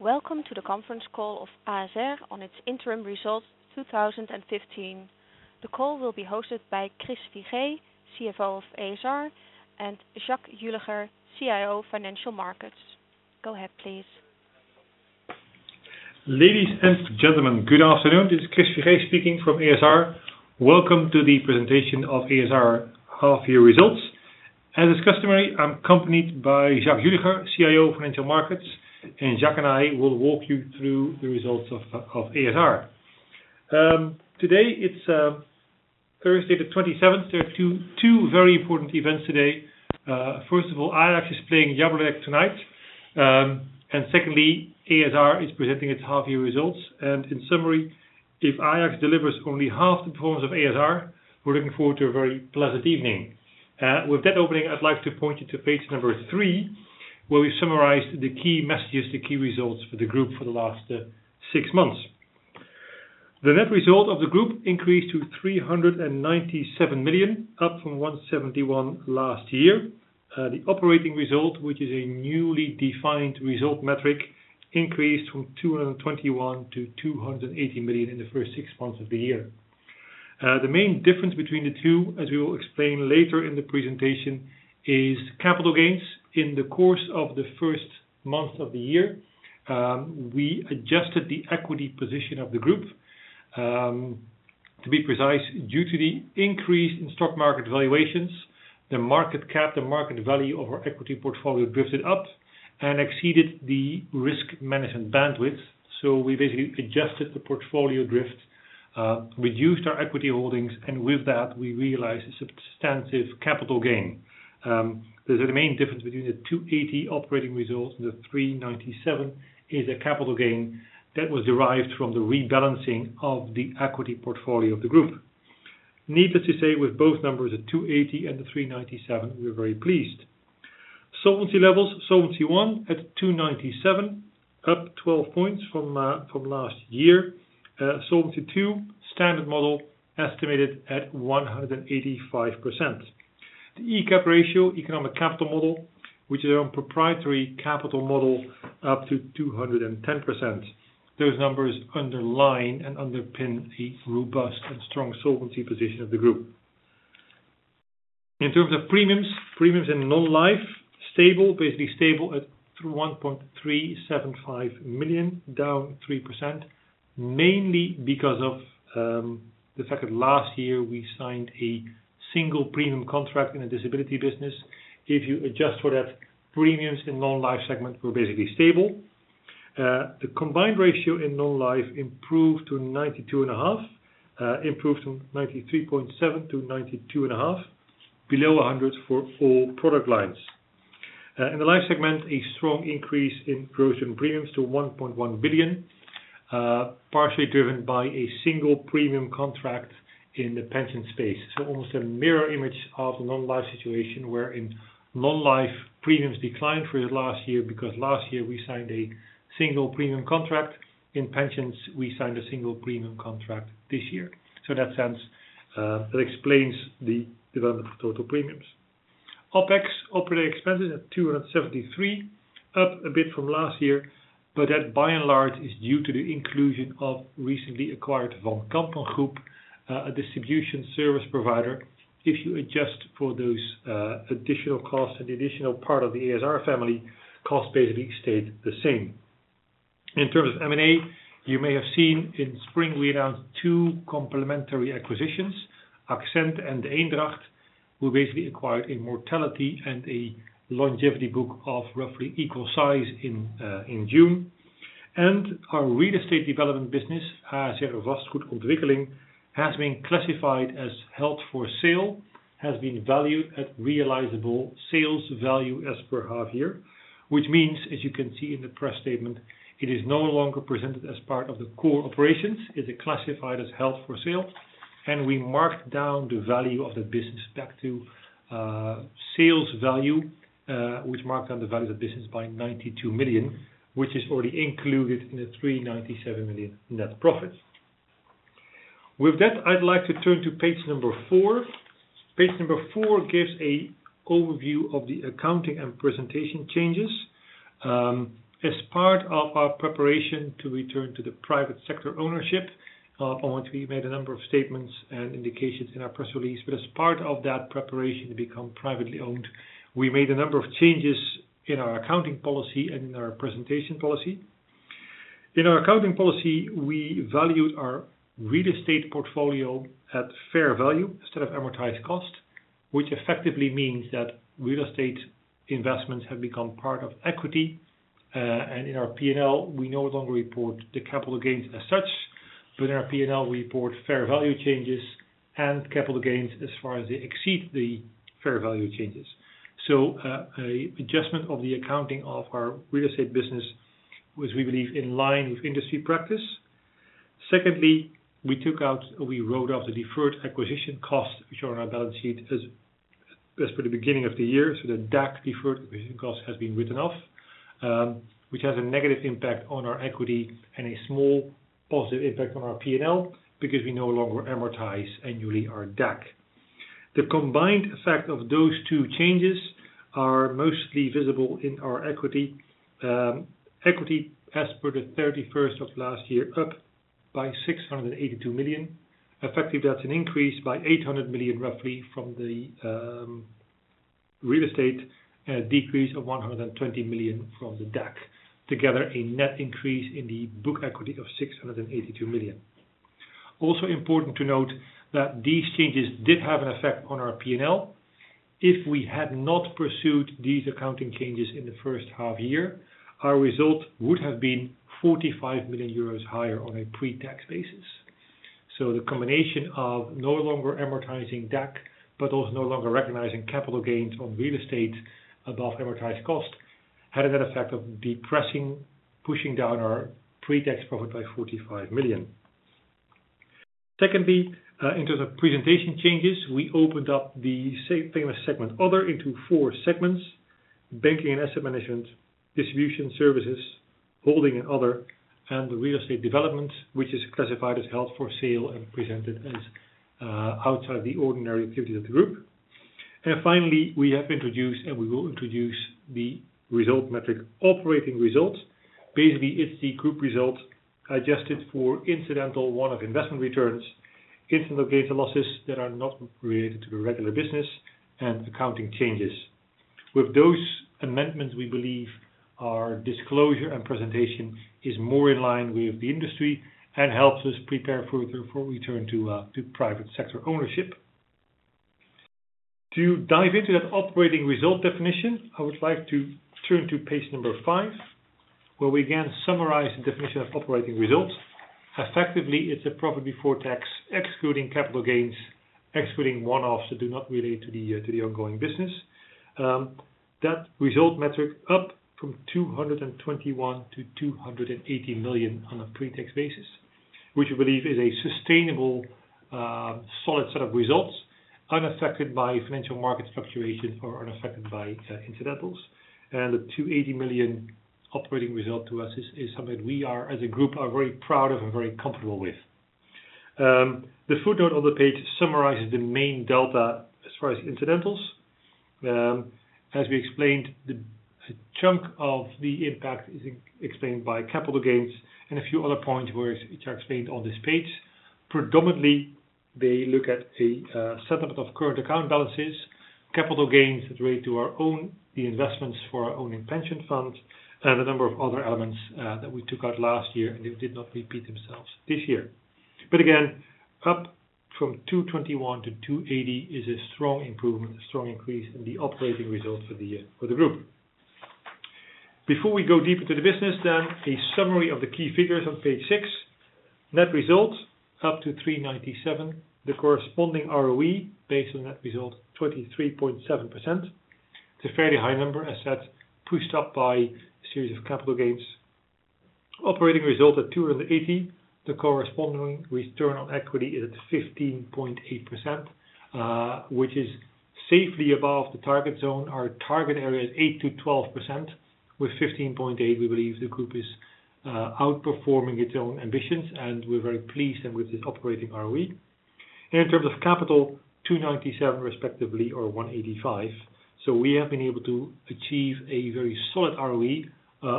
Welcome to the conference call of ASR on its interim results 2015. The call will be hosted by Chris Figee, CFO of ASR, and Jack Julicher, CIO, Financial Markets. Go ahead, please. Ladies and gentlemen, good afternoon. This is Chris Figee speaking from ASR. Welcome to the presentation of ASR half-year results. As is customary, I am accompanied by Jack Julicher, CIO of Financial Markets, and Jack and I will walk you through the results of ASR. Today, it is Thursday the 27th. There are two very important events today. First of all, Ajax is playing FK Jablonec tonight. Secondly, ASR is presenting its half-year results. In summary, if Ajax delivers only half the performance of ASR, we are looking forward to a very pleasant evening. With that opening, I would like to point you to page number three, where we have summarized the key messages, the key results for the group for the last six months. The net result of the group increased to 397 million, up from 171 last year. The operating result, which is a newly defined result metric, increased from 221 million to 280 million in the first six months of the year. The main difference between the two, as we will explain later in the presentation, is capital gains. In the course of the first month of the year, we adjusted the equity position of the group. To be precise, due to the increase in stock market valuations, the market cap, the market value of our equity portfolio drifted up and exceeded the risk management bandwidth. So we basically adjusted the portfolio drift, reduced our equity holdings, and with that, we realized a substantive capital gain. The main difference between the 280 operating results and the 397 is a capital gain that was derived from the rebalancing of the equity portfolio of the group. Needless to say, with both numbers at 280 and the 397, we are very pleased. Solvency levels. Solvency I at 297%, up 12 points from last year. Solvency II, standard model, estimated at 185%. The ECap ratio, economic capital model, which is our own proprietary capital model, up to 210%. Those numbers underline and underpin the robust and strong solvency position of the group. In terms of premiums. Premiums in non-life, stable, basically stable at 1,375 million, down 3%, mainly because of the fact that last year we signed a single premium contract in the disability business. If you adjust for that, premiums in non-life segment were basically stable. The combined ratio in non-life improved to 92.5%, improved from 93.7% to 92.5%, below 100% for all product lines. In the life segment, a strong increase in growth in premiums to 1.1 billion, partially driven by a single premium contract in the pension space. So almost a mirror image of the non-life situation, where in non-life, premiums declined for the last year because last year we signed a single premium contract. In pensions, we signed a single premium contract this year. In that sense, that explains the development of total premiums. OpEx, operating expenses at 273, up a bit from last year, but that by and large is due to the inclusion of recently acquired Van Kampen Groep, a distribution service provider. If you adjust for those additional costs and the additional part of the ASR family, costs basically stayed the same. In terms of M&A, you may have seen in spring, we announced two complementary acquisitions, AXENT and De Eendragt. We basically acquired a mortality and a longevity book of roughly equal size in June. Our real estate development business, a.s.r. vastgoed ontwikkeling, has been classified as held for sale, has been valued at realizable sales value as per half year, which means, as you can see in the press statement, it is no longer presented as part of the core operations. It is classified as held for sale, and we marked down the value of the business back to sales value, which marked down the value of the business by 92 million, which is already included in the 397 million net profits. With that, I'd like to turn to page number four. Page number four gives an overview of the accounting and presentation changes. As part of our preparation to return to the private sector ownership, on which we made a number of statements and indications in our press release. As part of that preparation to become privately owned, we made a number of changes in our accounting policy and in our presentation policy. In our accounting policy, we valued our real estate portfolio at fair value instead of amortized cost, which effectively means that real estate investments have become part of equity. In our P&L, we no longer report the capital gains as such, but in our P&L, we report fair value changes and capital gains as far as they exceed the fair value changes. So an adjustment of the accounting of our real estate business was, we believe, in line with industry practice. Secondly, we wrote off the Deferred Acquisition Cost, which are on our balance sheet as per the beginning of the year. So the DAC, Deferred Acquisition Cost, has been written off. Which has a negative impact on our equity and a small positive impact on our P&L because we no longer amortize annually our DAC. The combined effect of those two changes are mostly visible in our equity. Equity as per the 31st of last year, up by 682 million. Effective, that's an increase by 800 million roughly from the real estate decrease of 120 million from the DAC. Together, a net increase in the book equity of 682 million. Also important to note that these changes did have an effect on our P&L. If we had not pursued these accounting changes in the first half year, our result would have been 45 million euros higher on a pre-tax basis. The combination of no longer amortizing DAC, but also no longer recognizing capital gains on real estate above amortized cost, had a net effect of depressing, pushing down our pre-tax profit by 45 million. Secondly, in terms of presentation changes, we opened up the famous segment Other into four segments: Banking and Asset Management, Distribution Services, Holding and Other, and the Real Estate Development, which is classified as held for sale and presented as outside the ordinary activity of the group. Finally, we have introduced and we will introduce the result metric Operating Results. Basically, it's the group result adjusted for incidental one-off investment returns, incidental gains or losses that are not related to the regular business, and accounting changes. With those amendments, we believe our disclosure and presentation is more in line with the industry and helps us prepare further for return to private sector ownership. To dive into that Operating Result definition, I would like to turn to page five, where we again summarize the definition of Operating Results. Effectively, it's a profit before tax, excluding capital gains, excluding one-offs that do not relate to the ongoing business. That result metric up from 221 million to 280 million on a pre-tax basis, which we believe is a sustainable solid set of results unaffected by financial market fluctuation or unaffected by incidentals. The 280 million Operating Result to us is something we as a group are very proud of and very comfortable with. The footnote on the page summarizes the main delta as far as incidentals. As we explained, a chunk of the impact is explained by capital gains and a few other points which are explained on this page. Predominantly, they look at a settlement of current account balances, capital gains that relate to our own, the investments for our own pension fund, and a number of other elements that we took out last year and they did not repeat themselves this year. Again, up from 221 to 280 is a strong improvement, a strong increase in the Operating Results for the group. Before we go deeper to the business, a summary of the key figures on page six. Net results up to 397. The corresponding ROE based on net results, 23.7%. It's a fairly high number, as said, pushed up by a series of capital gains. Operating Result at 280. The corresponding return on equity is at 15.8%, which is safely above the target zone. Our target area is 8%-12%. With 15.8%, we believe the group is outperforming its own ambitions, we're very pleased with this Operating ROE. In terms of capital, 297 respectively or 185. We have been able to achieve a very solid ROE,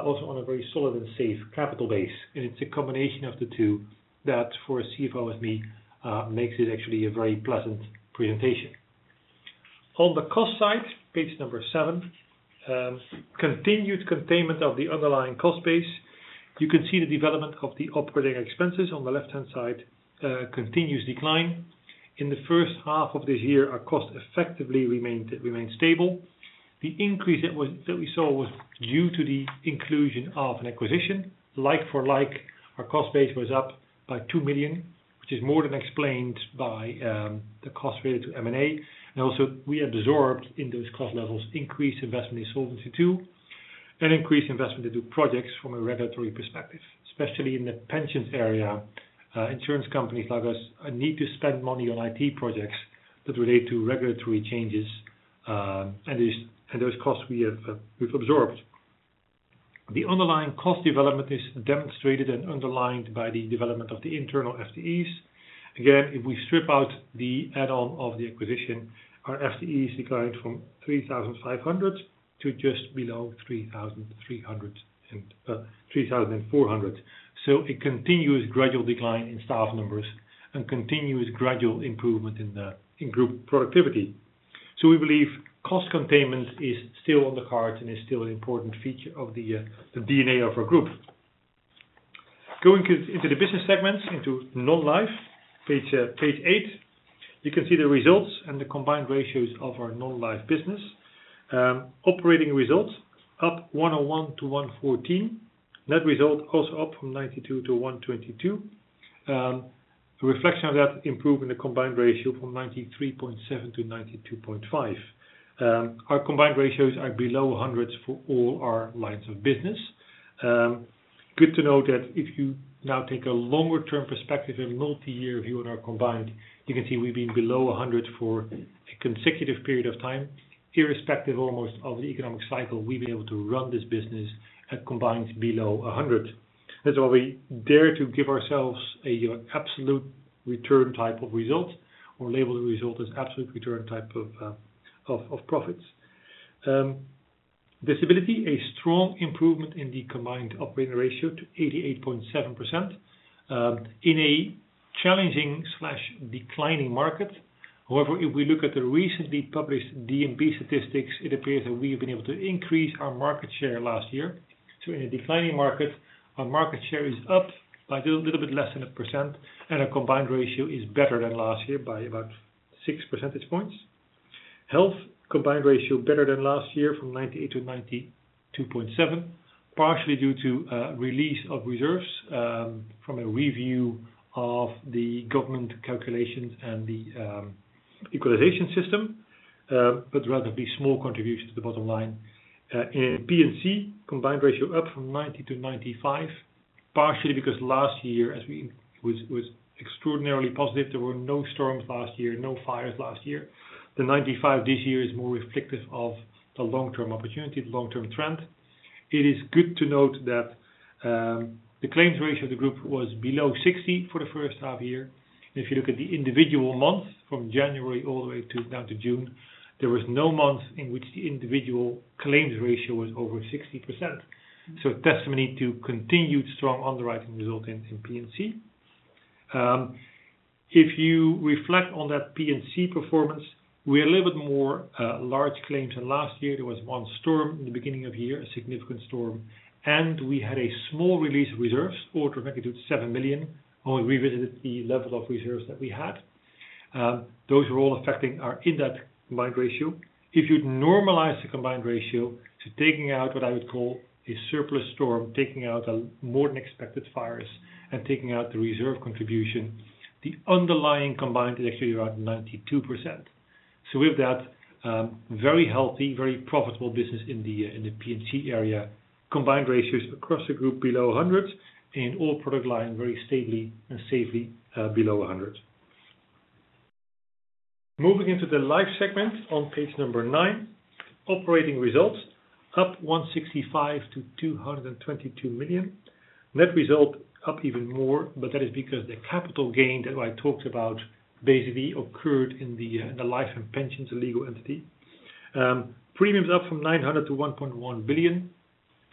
also on a very solid and safe capital base. It's a combination of the two that for a CFO as me, makes it actually a very pleasant presentation. On the cost side, page seven, continued containment of the underlying cost base. You can see the development of the operating expenses on the left-hand side, continuous decline. In the first half of this year, our cost effectively remained stable. The increase that we saw was due to the inclusion of an acquisition. Like for like, our cost base was up by 2 million, which is more than explained by the cost related to M&A. We absorbed in those cost levels increased investment in Solvency II, and increased investment into projects from a regulatory perspective, especially in the pensions area. Insurance companies like us need to spend money on IT projects that relate to regulatory changes, and those costs we've absorbed. The underlying cost development is demonstrated and underlined by the development of the internal FTEs. Again, if we strip out the add-on of the acquisition, our FTEs declined from 3,500 to just below 3,400. So a continuous gradual decline in staff numbers and continuous gradual improvement in group productivity. So we believe cost containment is still on the cards and is still an important feature of the DNA of our group. Going into the business segments, into non-life, page eight. You can see the results and the combined ratios of our non-life business. Operating results up 101 to 114. Net result also up from 92 to 122. A reflection of that, improvement in the combined ratio from 93.7 to 92.5. Our combined ratios are below hundreds for all our lines of business. Good to note that if you now take a longer-term perspective and multi-year view on our combined, you can see we've been below 100 for a consecutive period of time. Irrespective almost of the economic cycle, we've been able to run this business at combined below 100. That's why we dare to give ourselves an absolute return type of result or label the result as absolute return type of profits. Disability, a strong improvement in the combined operating ratio to 88.7% in a challenging/declining market. However, if we look at the recently published DNB statistics, it appears that we have been able to increase our market share last year. So in a declining market, our market share is up by a little bit less than 1%, and our combined ratio is better than last year by about six percentage points. Health combined ratio better than last year from 98 to 92.7, partially due to release of reserves from a review of the government calculations and the equalization system, but rather be small contribution to the bottom line. In P&C, combined ratio up from 90 to 95, partially because last year was extraordinarily positive. There were no storms last year, no fires last year. The 95 this year is more reflective of the long-term opportunity, the long-term trend. It is good to note that the claims ratio of the group was below 60 for the first half year. If you look at the individual months from January all the way now to June, there was no month in which the individual claims ratio was over 60%. So testimony to continued strong underwriting results in P&C. If you reflect on that P&C performance, we're a little bit more large claims than last year. There was one storm in the beginning of the year, a significant storm, and we had a small release of reserves, order of magnitude 7 million, when we revisited the level of reserves that we had. Those were all affecting our in-depth combined ratio. If you'd normalize the combined ratio to taking out what I would call a surplus storm, taking out more than expected fires, and taking out the reserve contribution, the underlying combined is actually around 92%. We have that very healthy, very profitable business in the P&C area, combined ratios across the group below 100%, and all product lines very stably and safely below 100%. Moving into the life segment on page nine. Operating results up 165 million to 222 million. Net result up even more. That is because the capital gain that I talked about basically occurred in the life and pensions legal entity. Premiums up from 900 million to 1.1 billion.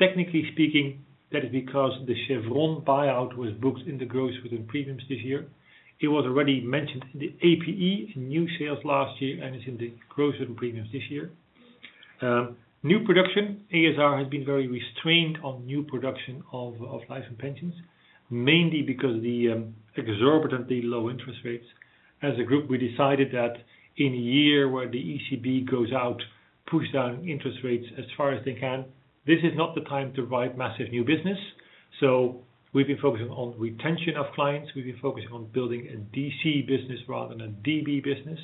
Technically speaking, that is because the Chevron buyout was booked in the gross within premiums this year. It was already mentioned in the APE in new sales last year and is in the gross within premiums this year. New production. ASR has been very restrained on new production of life and pensions, mainly because of the exorbitantly low interest rates. As a group, we decided that in a year where the ECB goes out, push down interest rates as far as they can, this is not the time to write massive new business. We've been focusing on retention of clients. We've been focusing on building a DC business rather than DB business.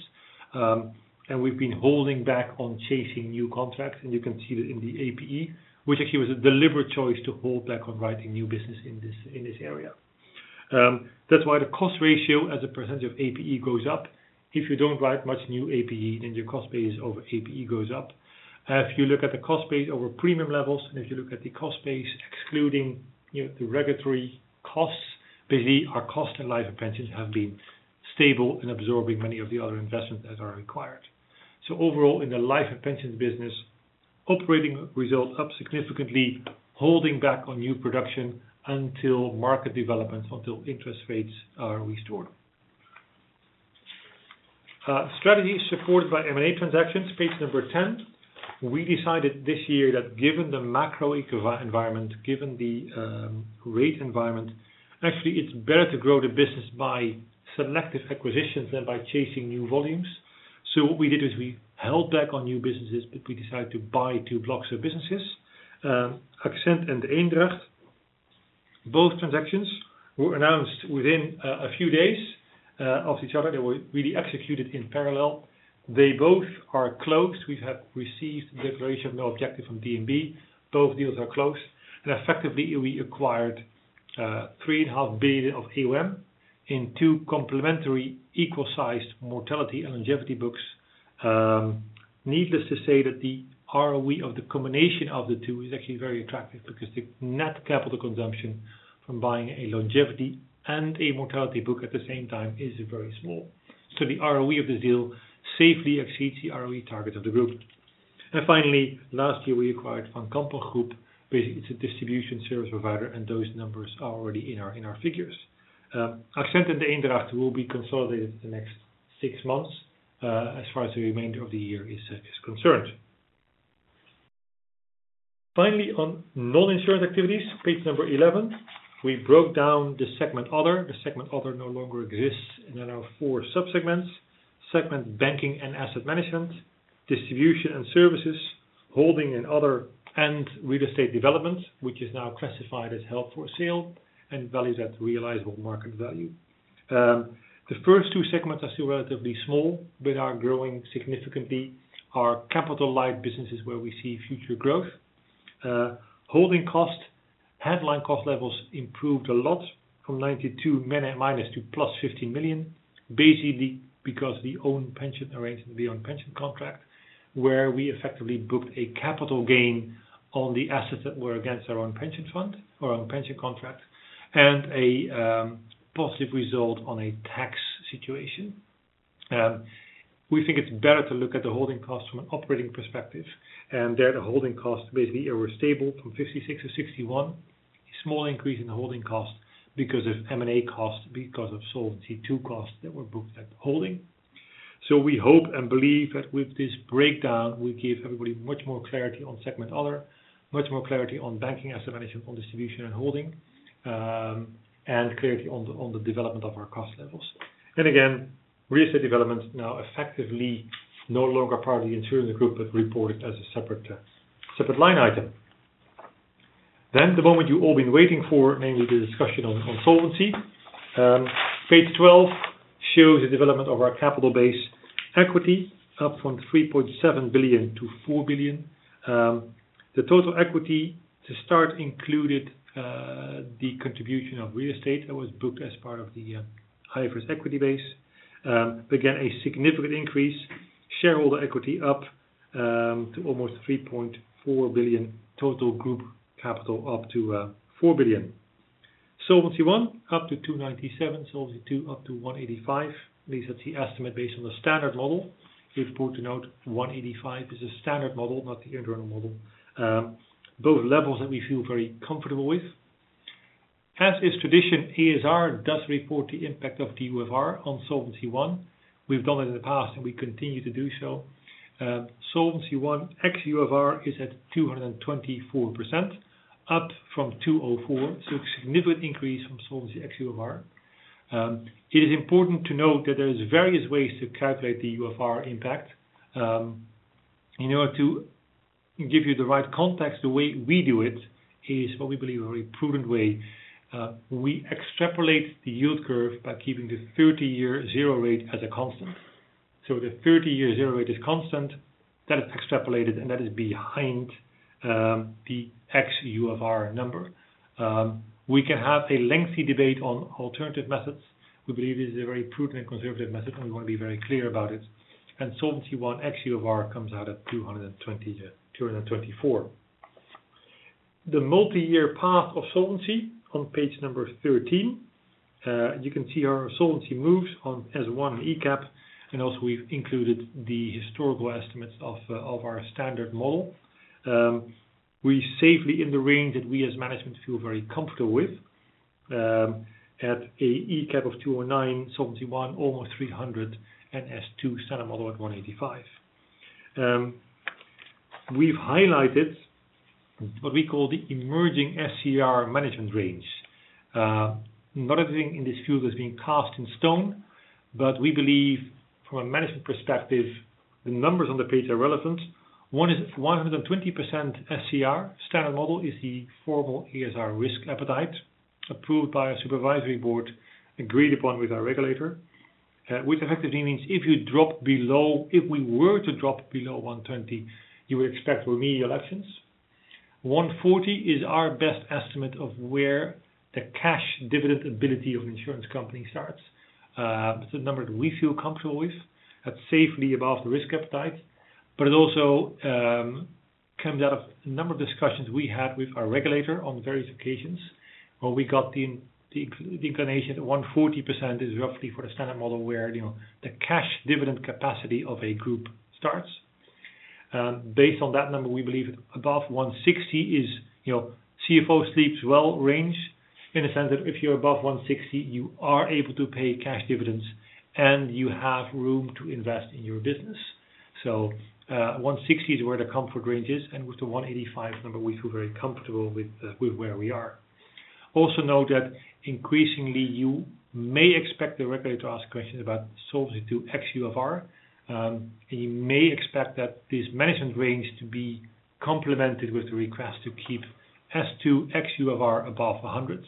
We've been holding back on chasing new contracts, and you can see that in the APE, which actually was a deliberate choice to hold back on writing new business in this area. That's why the cost ratio as a percentage of APE goes up. If you don't write much new APE, then your cost base over APE goes up. If you look at the cost base over premium levels, if you look at the cost base excluding the regulatory costs, basically, our cost and life pensions have been stable and absorbing many of the other investments that are required. Overall, in the life and pensions business, operating results up significantly, holding back on new production until market developments, until interest rates are restored. Strategy supported by M&A transactions, page 10. We decided this year that given the macro environment, given the rate environment, actually, it's better to grow the business by selective acquisitions than by chasing new volumes. What we did is we held back on new businesses, but we decided to buy two blocks of businesses. AXENT and De Eendragt. Both transactions were announced within a few days of each other. They were really executed in parallel. They both are closed. We have received a declaration of no objective from DNB. Both deals are closed. Effectively, we acquired three and a half billion of AUM in two complementary equal-sized mortality and longevity books. Needless to say that the ROE of the combination of the two is actually very attractive because the net capital consumption from buying a longevity and a mortality book at the same time is very small. The ROE of this deal safely exceeds the ROE target of the group. Finally, last year, we acquired Van Kampen Groep. Basically, it's a distribution service provider, and those numbers are already in our figures. AXENT and De Eendragt will be consolidated the next six months as far as the remainder of the year is concerned. Finally, on non-insurance activities, page 11. We broke down the segment other. The segment other no longer exists, and there are four sub-segments. Segment banking and asset management, distribution and services, holding and other, and real estate development, which is now classified as held for sale and valued at realizable market value. The first two segments are still relatively small but are growing significantly. Our capital light business is where we see future growth. Holding cost, headline cost levels improved a lot from -92 million to 15 million, basically because the own pension arrangement, the own pension contract, where we effectively booked a capital gain on the assets that were against our own pension fund or own pension contract, and a positive result on a tax situation. We think it's better to look at the holding cost from an operating perspective, there, the holding costs basically are stable from 56 million to 61 million. A small increase in the holding cost because of M&A costs, because of Solvency II costs that were booked at the holding. We hope and believe that with this breakdown, we give everybody much more clarity on segment other, much more clarity on banking asset management, on distribution and holding, and clarity on the development of our cost levels. Again, real estate development now effectively no longer part of the insurance group, but reported as a separate line item. The moment you've all been waiting for, namely the discussion on solvency. Page 12 shows the development of our capital base equity up from 3.7 billion to 4 billion. The total equity to start included the contribution of real estate that was booked as part of the IFRS equity base. Again, a significant increase. Shareholder equity up to almost 3.4 billion. Total group capital up to 4 billion. Solvency I up to 297%. Solvency II up to 185%. At least that's the estimate based on the standard model. We've put a note, 185% is the standard model, not the internal model. Both levels that we feel very comfortable with. As is tradition, ASR does report the impact of the UFR on Solvency I. We've done it in the past, and we continue to do so. Solvency I, ex UFR is at 224%, up from 204%. A significant increase from Solvency ex UFR. It is important to note that there is various ways to calculate the UFR impact. In order to give you the right context, the way we do it is what we believe a very prudent way. We extrapolate the yield curve by keeping the 30-year zero rate as a constant. The 30-year zero rate is constant. That is extrapolated, and that is behind the ex UFR number. We can have a lengthy debate on alternative methods. We believe it is a very prudent and conservative method, we want to be very clear about it. Solvency I ex UFR comes out at 224%. The multi-year path of solvency on page number 13. You can see our solvency moves on S1 ECap, also we've included the historical estimates of our standard model. We are safely in the range that we as management feel very comfortable with, at an ECap of 209%, Solvency I almost 300%, S2 standard model at 185%. We've highlighted what we call the emerging SCR management range. Not everything in this field has been cast in stone, we believe from a management perspective, the numbers on the page are relevant. 120% SCR standard model is the formal ASR risk appetite approved by a supervisory board, agreed upon with our regulator. Effectively means if you drop below, if we were to drop below 120, you would expect remedial actions. 140 is our best estimate of where the cash dividend ability of an insurance company starts. It's a number that we feel comfortable with. That's safely above the risk appetite. It also comes out of a number of discussions we had with our regulator on various occasions, where we got the inclination that 140% is roughly for the standard model where the cash dividend capacity of a group starts. Based on that number, we believe above 160 is CFO sleeps well range, in a sense that if you're above 160, you are able to pay cash dividends, and you have room to invest in your business. 160 is where the comfort range is, and with the 185 number, we feel very comfortable with where we are. Also note that increasingly, you may expect the regulator to ask questions about Solvency II ex UFR. You may expect that this management range to be complemented with the request to keep S2 ex UFR above 100.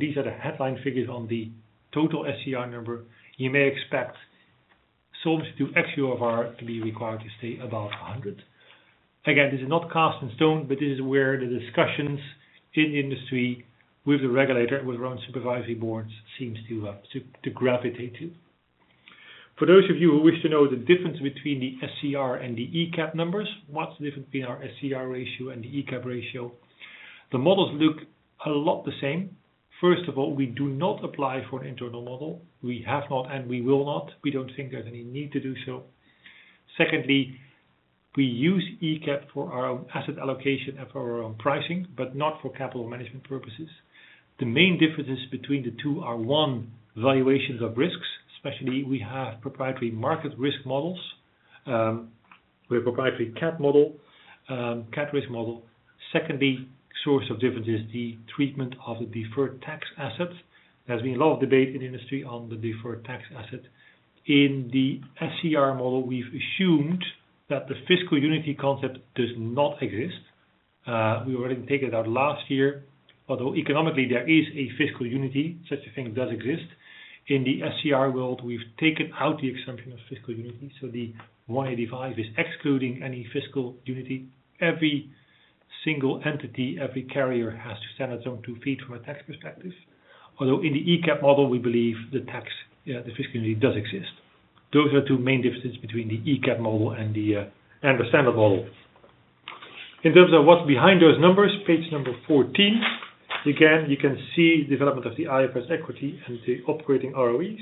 These are the headline figures on the total SCR number. You may expect Solvency II ex UFR to be required to stay above 100. This is not cast in stone, this is where the discussions in the industry with the regulator, with our own supervisory boards, seems to gravitate to. For those of you who wish to know the difference between the SCR and the ECap numbers, what's the difference between our SCR ratio and the ECap ratio? The models look a lot the same. First of all, we do not apply for an internal model. We have not, and we will not. We don't think there's any need to do so. Secondly, we use ECap for our own asset allocation and for our own pricing, but not for capital management purposes. The main differences between the two are, 1, valuations of risks, especially we have proprietary market risk models. We have proprietary CAT model, CAT risk model. Secondly, source of difference is the treatment of the deferred tax asset. There's been a lot of debate in the industry on the deferred tax asset. In the SCR model, we've assumed that the fiscal unity concept does not exist. We already take it out last year. Although economically there is a fiscal unity, such a thing does exist. In the SCR world, we've taken out the exemption of fiscal unity, the 185 is excluding any fiscal unity. Every single entity, every carrier has to stand on its own two feet from a tax perspective. Although in the ECap model, we believe the tax, the fiscal unity does exist. Those are two main differences between the ECap model and the standard model. In terms of what's behind those numbers, page number 14. You can see development of the IFRS equity and the operating ROEs.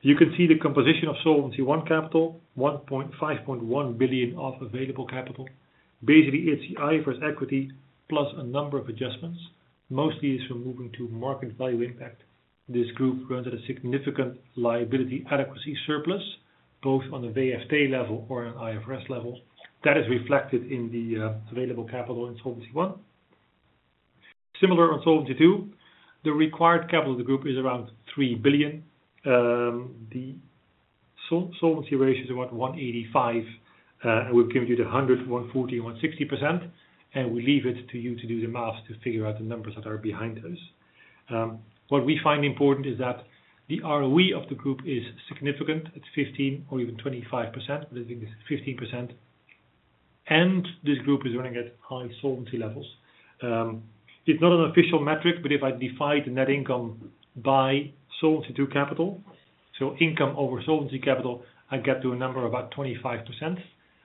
You can see the composition of Solvency I capital, 5.1 billion of available capital. Basically, it's the IFRS equity plus a number of adjustments, mostly is from moving to market value impact. This group runs at a significant liability adequacy surplus, both on a VFA level or an IFRS level. That is reflected in the available capital in Solvency I. Similar on Solvency II, the required capital of the group is around 3 billion. The solvency ratio is about 185%, and we've given you the 100%, 140%, and 160%. We leave it to you to do the math to figure out the numbers that are behind this. What we find important is that the ROE of the group is significant. It's 15% or even 25%, but I think this is 15%, and this group is running at high solvency levels. It's not an official metric, but if I divide the net income by Solvency II capital, so income over Solvency capital, I get to a number about 25%.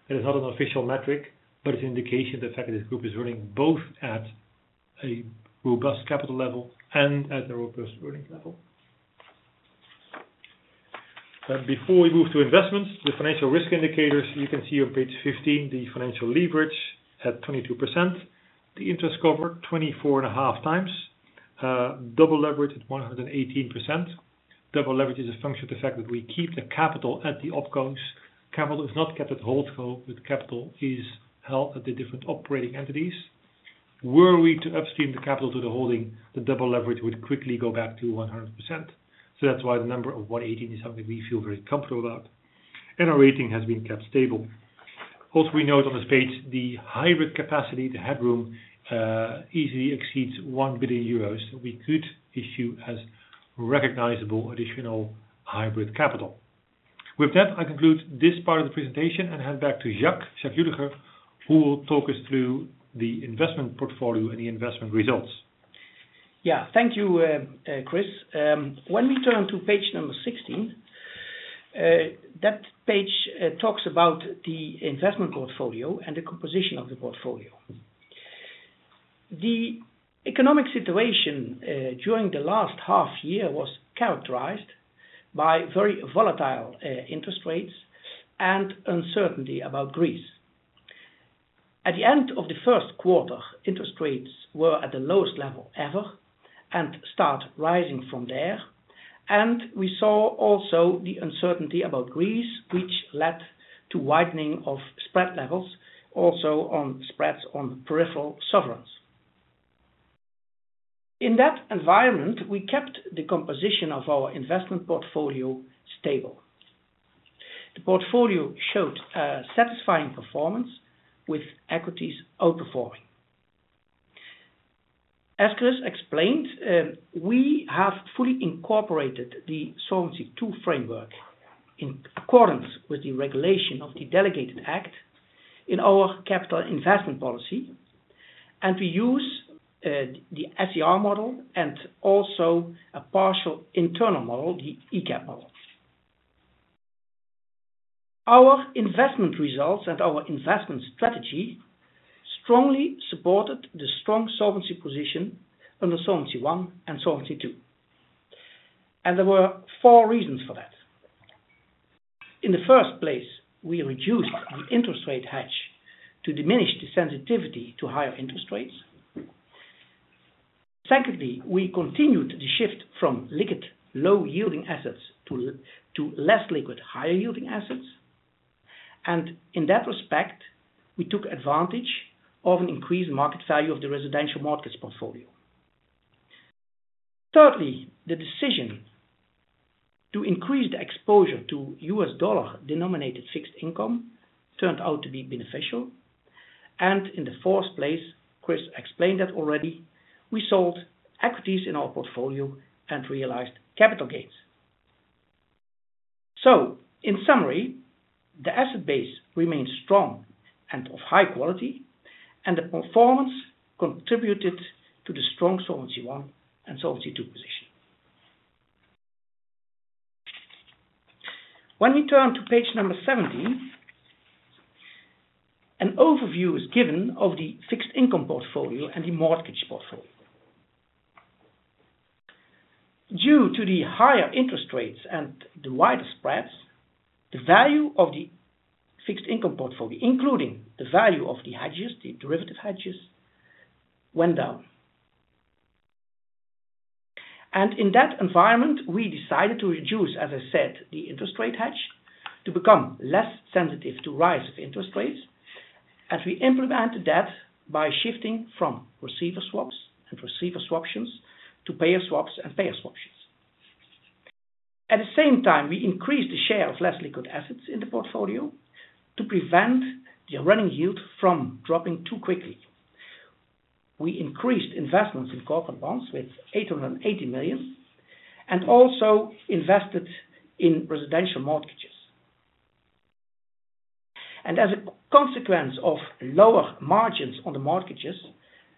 It is not an official metric, but it's an indication the fact that this group is running both at a robust capital level and at a robust earnings level. Before we move to investments, the financial risk indicators, you can see on page 15, the financial leverage at 22%, the interest cover 24.5 times, double leverage at 118%. Double leverage is a function of the fact that we keep the capital at the OpCos. Capital is not kept at HoldCo, but capital is held at the different operating entities. Were we to upstream the capital to the holding, the double leverage would quickly go back to 100%. That's why the number of 118% is something we feel very comfortable about, and our rating has been kept stable. Also, we note on this page the hybrid capacity, the headroom, easily exceeds 1 billion euros that we could issue as recognizable additional hybrid capital. With that, I conclude this part of the presentation and hand back to Jack Julicher, who will talk us through the investment portfolio and the investment results. Thank you, Chris. When we turn to page 16, that page talks about the investment portfolio and the composition of the portfolio. The economic situation during the last half year was characterized by very volatile interest rates and uncertainty about Greece. We saw also the uncertainty about Greece, which led to widening of spread levels, also on spreads on peripheral sovereigns. In that environment, we kept the composition of our investment portfolio stable. The portfolio showed a satisfying performance with equities outperforming. As Chris explained, we have fully incorporated the Solvency II framework in accordance with the regulation of the delegated act in our capital investment policy, and we use the SCR model and also a partial internal model, the ECap model. Our investment results and our investment strategy strongly supported the strong solvency position under Solvency I and Solvency II. There were four reasons for that. In the first place, we reduced our interest rate hedge to diminish the sensitivity to higher interest rates. Secondly, we continued the shift from liquid, low-yielding assets to less liquid, higher-yielding assets. In that respect, we took advantage of an increased market value of the residential markets portfolio. Thirdly, the decision to increase the exposure to US dollar-denominated fixed income turned out to be beneficial. In the fourth place, Chris explained that already, we sold equities in our portfolio and realized capital gains. In summary, the asset base remains strong and of high quality, and the performance contributed to the strong Solvency I and Solvency II position. When we turn to page number 17, an overview is given of the fixed income portfolio and the mortgage portfolio. Due to the higher interest rates and the wider spreads, the value of the fixed income portfolio, including the value of the hedges, the derivative hedges, went down. In that environment, we decided to reduce, as I said, the interest rate hedge to become less sensitive to rise of interest rates. We implemented that by shifting from receiver swaps and receiver swaptions to payer swaps and payer swaptions. At the same time, we increased the share of less liquid assets in the portfolio to prevent the running yield from dropping too quickly. We increased investments in corporate bonds with 880 million, also invested in residential mortgages. As a consequence of lower margins on the mortgages,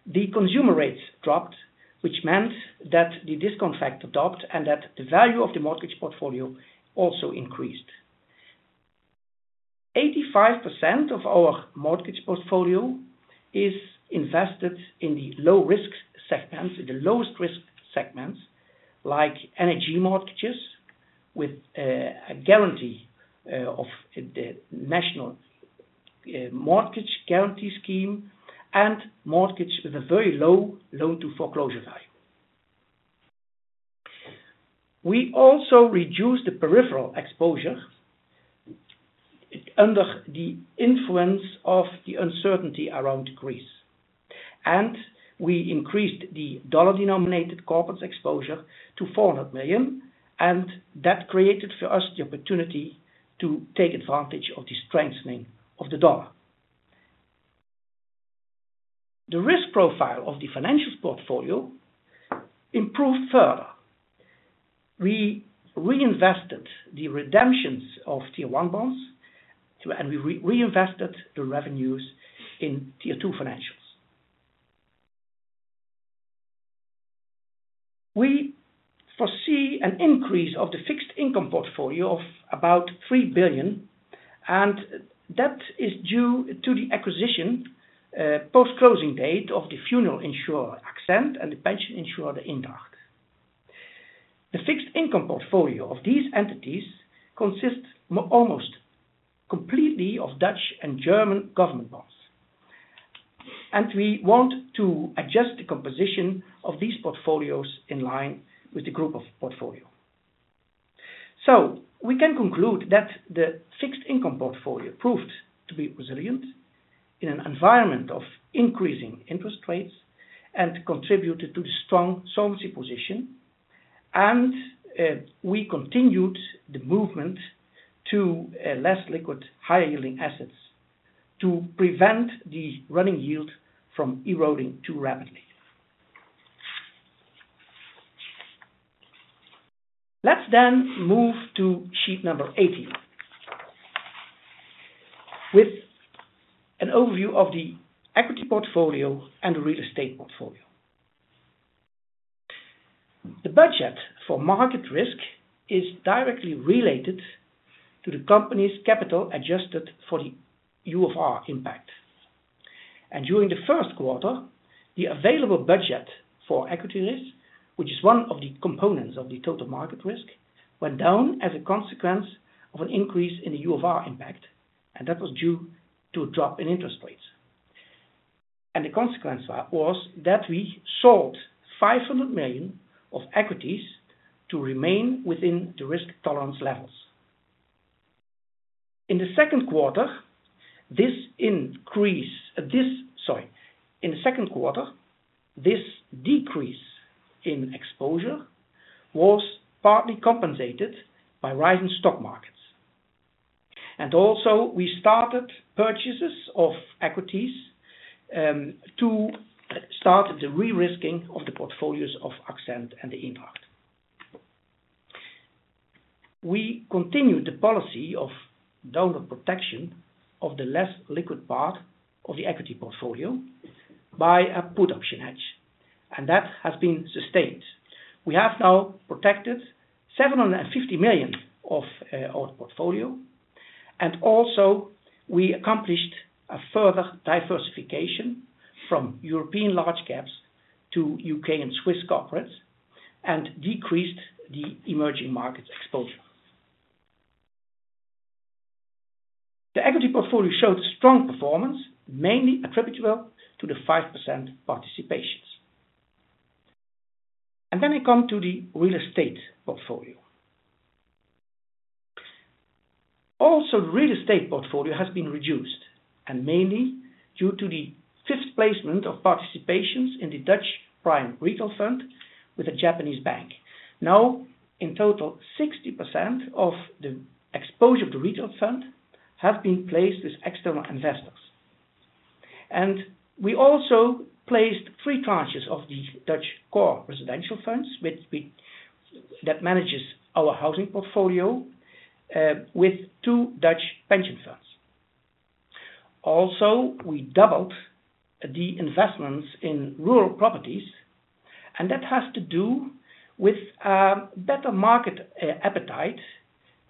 the consumer rates dropped, which meant that the discount factor dropped and that the value of the mortgage portfolio also increased. 85% of our mortgage portfolio is invested in the low-risk segments, the lowest risk segments, like energy mortgages with a guarantee of the National Mortgage Guarantee scheme and mortgage with a very low loan-to-foreclosure value. We also reduced the peripheral exposure under the influence of the uncertainty around Greece, we increased the dollar-denominated corporate exposure to $400 million, and that created for us the opportunity to take advantage of the strengthening of the dollar. The risk profile of the financials portfolio improved further. We reinvested the redemptions of Tier 1 bonds, we reinvested the revenues in Tier 2 financials. We foresee an increase of the fixed income portfolio of about 3 billion, that is due to the acquisition post-closing date of the funeral insurer, AXENT, and the pension insurer, De Eendragt. The fixed income portfolio of these entities consists almost completely of Dutch and German government bonds. We want to adjust the composition of these portfolios in line with the group of portfolio. We can conclude that the fixed income portfolio proved to be resilient in an environment of increasing interest rates and contributed to the strong solvency position, we continued the movement to less liquid, higher-yielding assets to prevent the running yield from eroding too rapidly. Let's then move to sheet number 18 with an overview of the equity portfolio and the real estate portfolio. The budget for market risk is directly related to the company's capital adjusted for the UFR impact. During the first quarter, the available budget for equity risk, which is one of the components of the total market risk, went down as a consequence of an increase in the UFR impact, and that was due to a drop in interest rates. The consequence was that we sold 500 million of equities to remain within the risk tolerance levels. In the second quarter, this decrease in exposure was partly compensated by rising stock markets. We started purchases of equities to start the re-risking of the portfolios of AXENT and De Eendragt. We continued the policy of USD protection of the less liquid part of the equity portfolio by a put option hedge, and that has been sustained. We have now protected 750 million of our portfolio. We accomplished a further diversification from European large caps to U.K. and Swiss corporates and decreased the emerging markets exposure. The equity portfolio showed strong performance, mainly attributable to the 5% participations. I come to the real estate portfolio. Real estate portfolio has been reduced, mainly due to the fifth placement of participations in the ASR Dutch Prime Retail Fund with a Japanese bank. In total, 60% of the exposure to retail fund has been placed with external investors. We also placed three tranches of the ASR Dutch Core Residential Fund that manages our housing portfolio with two Dutch pension funds. We doubled the investments in rural properties. That has to do with better market appetite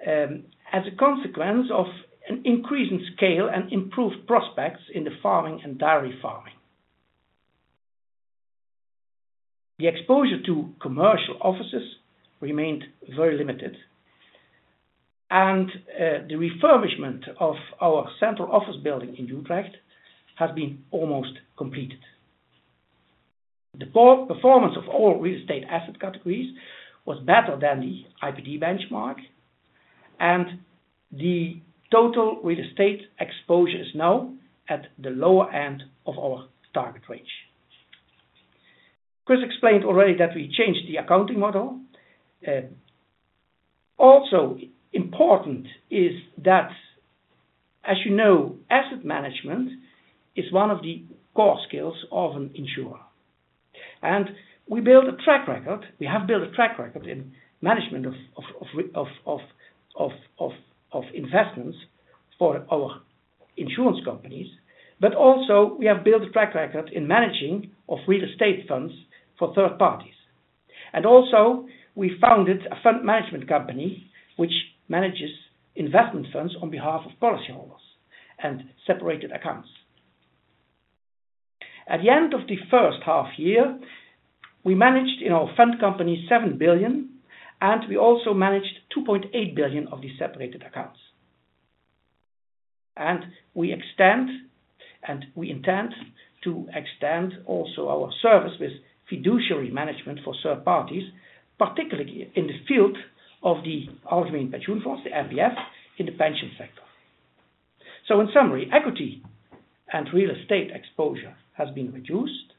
as a consequence of an increase in scale and improved prospects in the farming and dairy farming. The exposure to commercial offices remained very limited. The refurbishment of our central office building in Utrecht has been almost completed. The performance of all real estate asset categories was better than the IPD benchmark, and the total real estate exposure is now at the lower end of our target range. Chris explained already that we changed the accounting model. As you know, asset management is one of the core skills of an insurer. We have built a track record in management of investments for our insurance companies. We have built a track record in managing of real estate funds for third parties. We founded a fund management company which manages investment funds on behalf of policyholders and separated accounts. At the end of the first half year, we managed in our fund company 7 billion, and we also managed 2.8 billion of the separated accounts. We intend to extend also our service with fiduciary management for third parties, particularly in the field of the Algemeen Pensioenfonds, the APF, in the pension sector. In summary, equity and real estate exposure has been reduced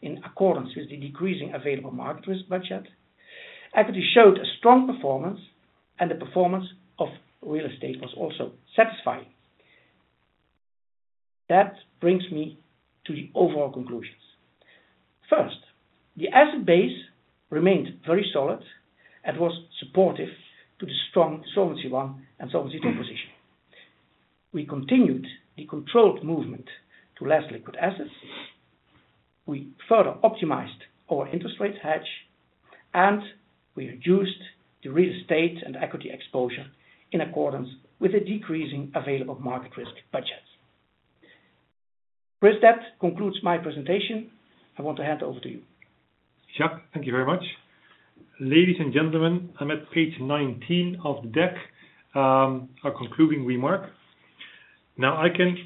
in accordance with the decreasing available market risk budget. Equity showed a strong performance, and the performance of real estate was also satisfying. That brings me to the overall conclusions. First, the asset base remained very solid and was supportive to the strong Solvency I and Solvency II position. We continued a controlled movement to less liquid assets. We further optimized our interest rate hedge, and we reduced the real estate and equity exposure in accordance with a decreasing available market risk budget. Chris, that concludes my presentation. I want to hand over to you. Jacques, thank you very much. Ladies and gentlemen, I'm at page 19 of the deck. Our concluding remark. I can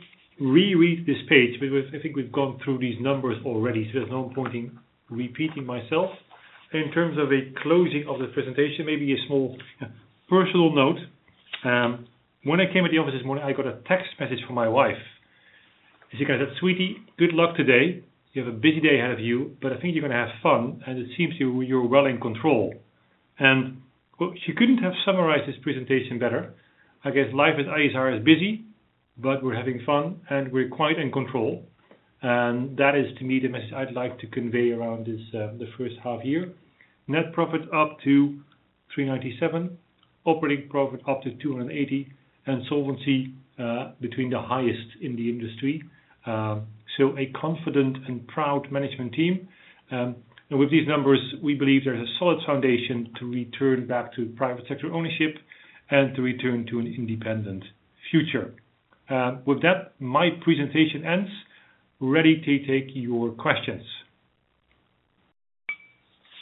reread this page, but I think we've gone through these numbers already, so there's no point in repeating myself. In terms of a closing of the presentation, maybe a small personal note. When I came in the office this morning, I got a text message from my wife. She goes, "Sweetie, good luck today. You have a busy day ahead of you, but I think you're going to have fun, and it seems you're well in control." She couldn't have summarized this presentation better. I guess life at ASR is busy, but we're having fun, and we're quite in control. That is, to me, the message I'd like to convey around the first half year. Net profit up to 397, operating profit up to 280, and solvency between the highest in the industry. A confident and proud management team. With these numbers, we believe there is a solid foundation to return back to private sector ownership and to return to an independent future. With that, my presentation ends. Ready to take your questions.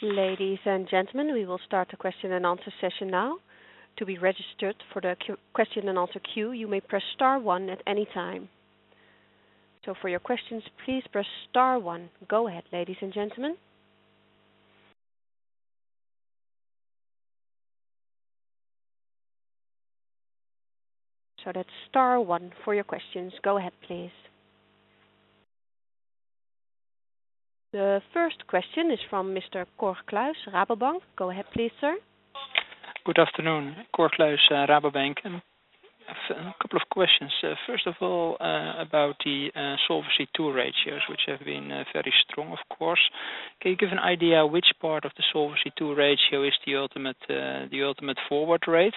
Ladies and gentlemen, we will start the question and answer session now. To be registered for the question and answer queue, you may press star one at any time. For your questions, please press star one. Go ahead, ladies and gentlemen. That's star one for your questions. Go ahead, please. The first question is from Mr. Cor Kluis, Rabobank. Go ahead please, sir. Good afternoon, Cor Kluis, Rabobank. I have a couple of questions. First of all, about the Solvency II ratios, which have been very strong, of course. Can you give an idea which part of the Solvency II ratio is the ultimate forward rate?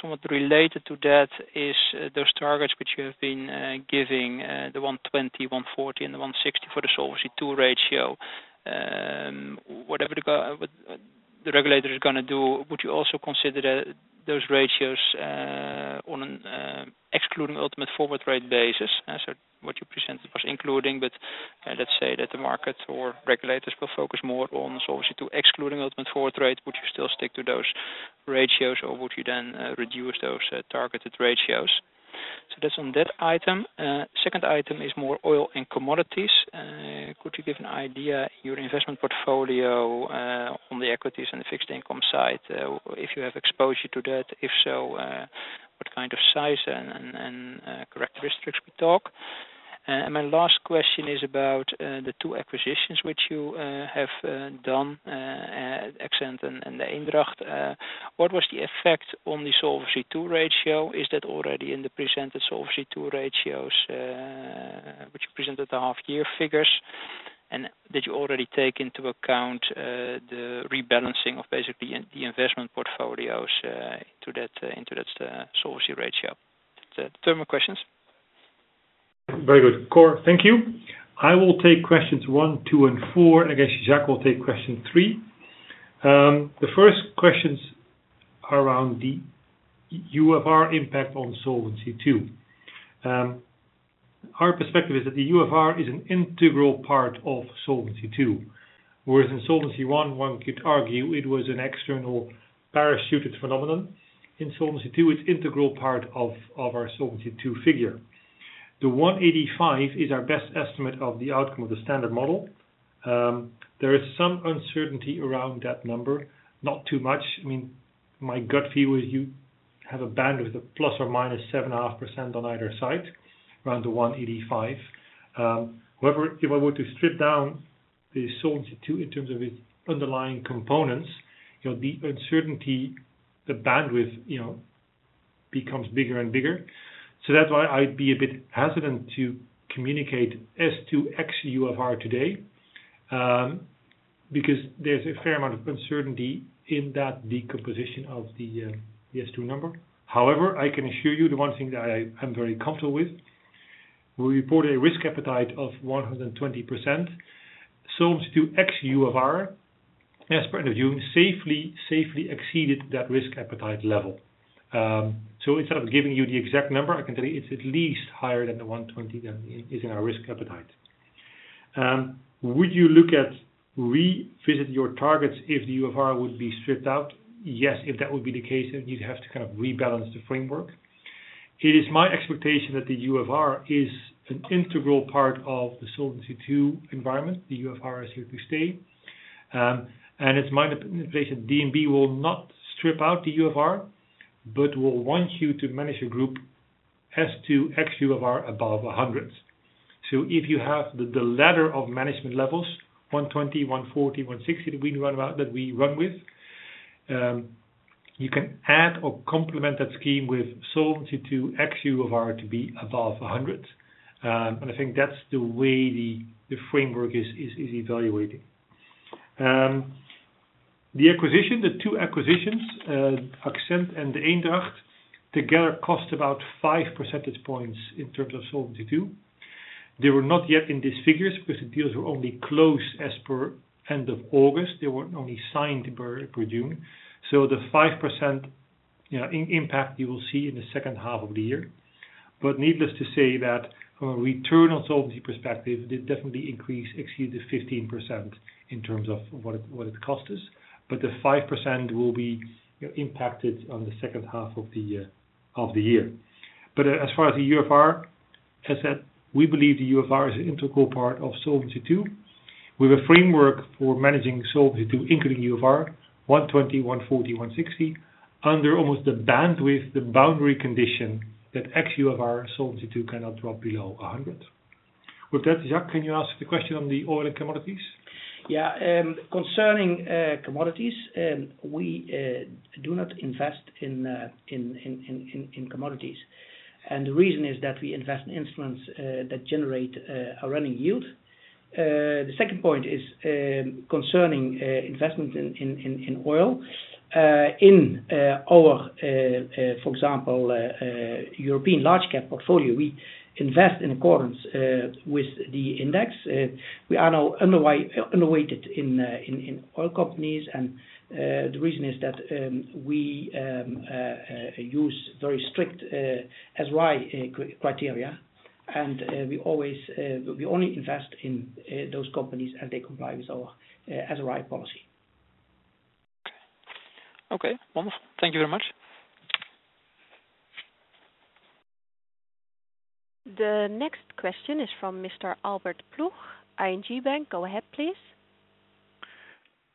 Somewhat related to that is those targets which you have been giving, the 120, 140, and the 160 for the Solvency II ratio. Whatever the regulator is going to do, would you also consider those ratios on an excluding ultimate forward rate basis? What you presented was including, but let's say that the markets or regulators will focus more on Solvency II excluding ultimate forward rate. Would you still stick to those ratios, or would you then reduce those targeted ratios? That's on that item. Second item is more oil and commodities. Could you give an idea, your investment portfolio on the equities and the fixed income side, if you have exposure to that? If so, what kind of size and characteristics we talk? My last question is about the two acquisitions which you have done, AXENT and De Eendragt. What was the effect on the Solvency II ratio? Is that already in the presented Solvency II ratios which you presented the half year figures? Did you already take into account the rebalancing of basically the investment portfolios into that Solvency ratio? That's the three questions. Very good. Cor, thank you. I will take questions one, two, and four, and I guess Jacques will take question three. The first questions are around the UFR impact on Solvency II. Our perspective is that the UFR is an integral part of Solvency II. Whereas in Solvency I, one could argue it was an external parachuted phenomenon. In Solvency II, it's integral part of our Solvency II figure. The 185 is our best estimate of the outcome of the standard model. There is some uncertainty around that number. Not too much. My gut feel is you have a bandwidth of ±7.5% on either side, around the 185. However, if I were to strip down the Solvency II in terms of its underlying components, the uncertainty, the bandwidth, becomes bigger and bigger. That's why I'd be a bit hesitant to communicate S2xUFR today, because there's a fair amount of uncertainty in that decomposition of the S2 number. However, I can assure you the one thing that I am very comfortable with, we report a risk appetite of 120% Solvency II xUFR, as per end of June, safely exceeded that risk appetite level. Instead of giving you the exact number, I can tell you it's at least higher than the 120 that is in our risk appetite. Would you look at revisit your targets if the UFR would be stripped out? Yes, if that would be the case, you'd have to rebalance the framework. It is my expectation that the UFR is an integral part of the Solvency II environment. The UFR is here to stay. It's my expectation DNB will not strip out the UFR, but will want you to manage a group Solvency II xUFR above 100. If you have the ladder of management levels, 120, 140, 160 that we run with, you can add or complement that scheme with Solvency II xUFR to be above 100. I think that's the way the framework is evaluating. The two acquisitions, AXENT and Eendragt, together cost about 5 percentage points in terms of Solvency II. They were not yet in these figures because the deals were only closed as per end of August. They were only signed per June. The 5% impact you will see in the second half of the year. Needless to say that from a return on solvency perspective, they definitely increase exceeds the 15% in terms of what it cost us. The 5% will be impacted on the second half of the year. As far as the UFR, as said, we believe the UFR is an integral part of Solvency II with a framework for managing Solvency II, including UFR 120, 140, 160, under almost the bandwidth, the boundary condition that xUFR Solvency II cannot drop below 100. With that, Jack, can you answer the question on the oil and commodities? Concerning commodities, we do not invest in commodities. The reason is that we invest in instruments that generate a running yield. The second point is concerning investment in oil. In our, for example, European large cap portfolio, we invest in accordance with the index. We are now underweighted in oil companies, the reason is that we use very strict ESG criteria, and we only invest in those companies, and they comply with our ESG policy. Wonderful. Thank you very much. The next question is from Mr. Albert Ploeg, ING Bank. Go ahead, please.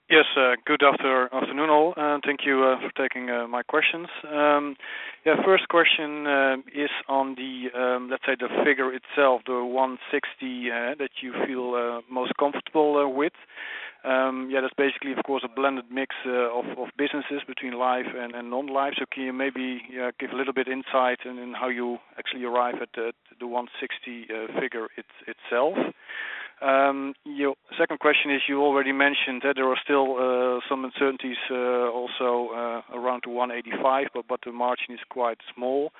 Yes. Good afternoon, all. Thank you for taking my questions. First question is on the, let's say, the figure itself, the 160 that you feel most comfortable with. That's basically, of course, a blended mix of businesses between life and non-life. Can you maybe give a little bit insight in how you actually arrive at the 160 figure itself? Second question is, you already mentioned that there are still some uncertainties also around 185, the margin is quite small.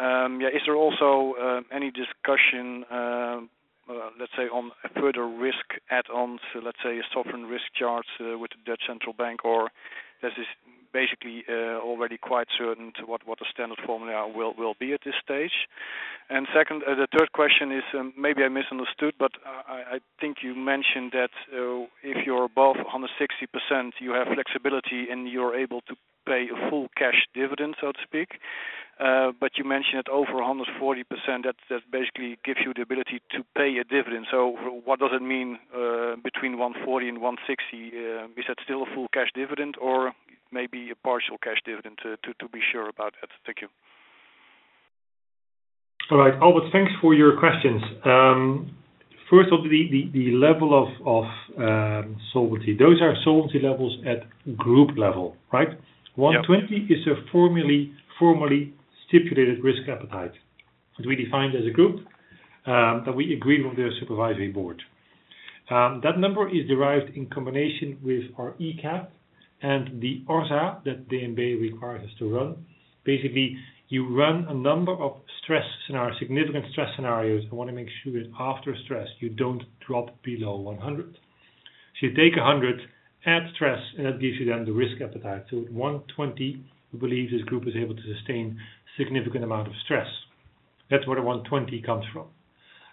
Is there also any discussion, let's say, on further risk add-ons, let's say, sovereign risk charge with the Dutch Central Bank, this is basically already quite certain to what the standard formula will be at this stage? The third question is, maybe I misunderstood, I think you mentioned that if you're above 160%, you have flexibility and you're able to pay a full cash dividend, so to speak. You mentioned that over 140%, that basically gives you the ability to pay a dividend. What does it mean between 140 and 160? Is that still a full cash dividend or maybe a partial cash dividend to be sure about that? Thank you. All right, Albert, thanks for your questions. First off, the level of solvency. Those are solvency levels at group level, right? Yeah. 120 is a formally stipulated risk appetite that we defined as a group, that we agreed with the supervisory board. That number is derived in combination with our ECap and the ORSA that DNB requires us to run. Basically, you run a number of stress scenarios, significant stress scenarios. We want to make sure that after stress, you don't drop below 100. You take 100, add stress, and that gives you the risk appetite. At 120, we believe this group is able to sustain significant amount of stress. That's where the 120 comes from.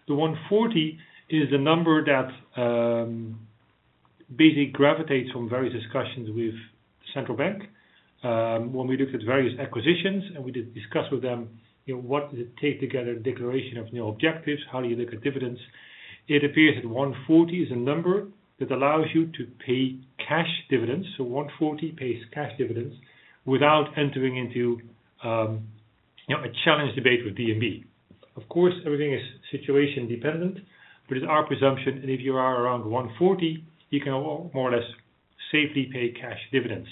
The 140 is a number that basically gravitates from various discussions with central bank. When we looked at various acquisitions and we did discuss with them, what does it take to get a declaration of new objectives? How do you look at dividends? It appears that 140 is a number that allows you to pay cash dividends. 140 pays cash dividends without entering into a challenge debate with DNB. Of course, everything is situation dependent, but it's our presumption that if you are around 140, you can more or less safely pay cash dividends.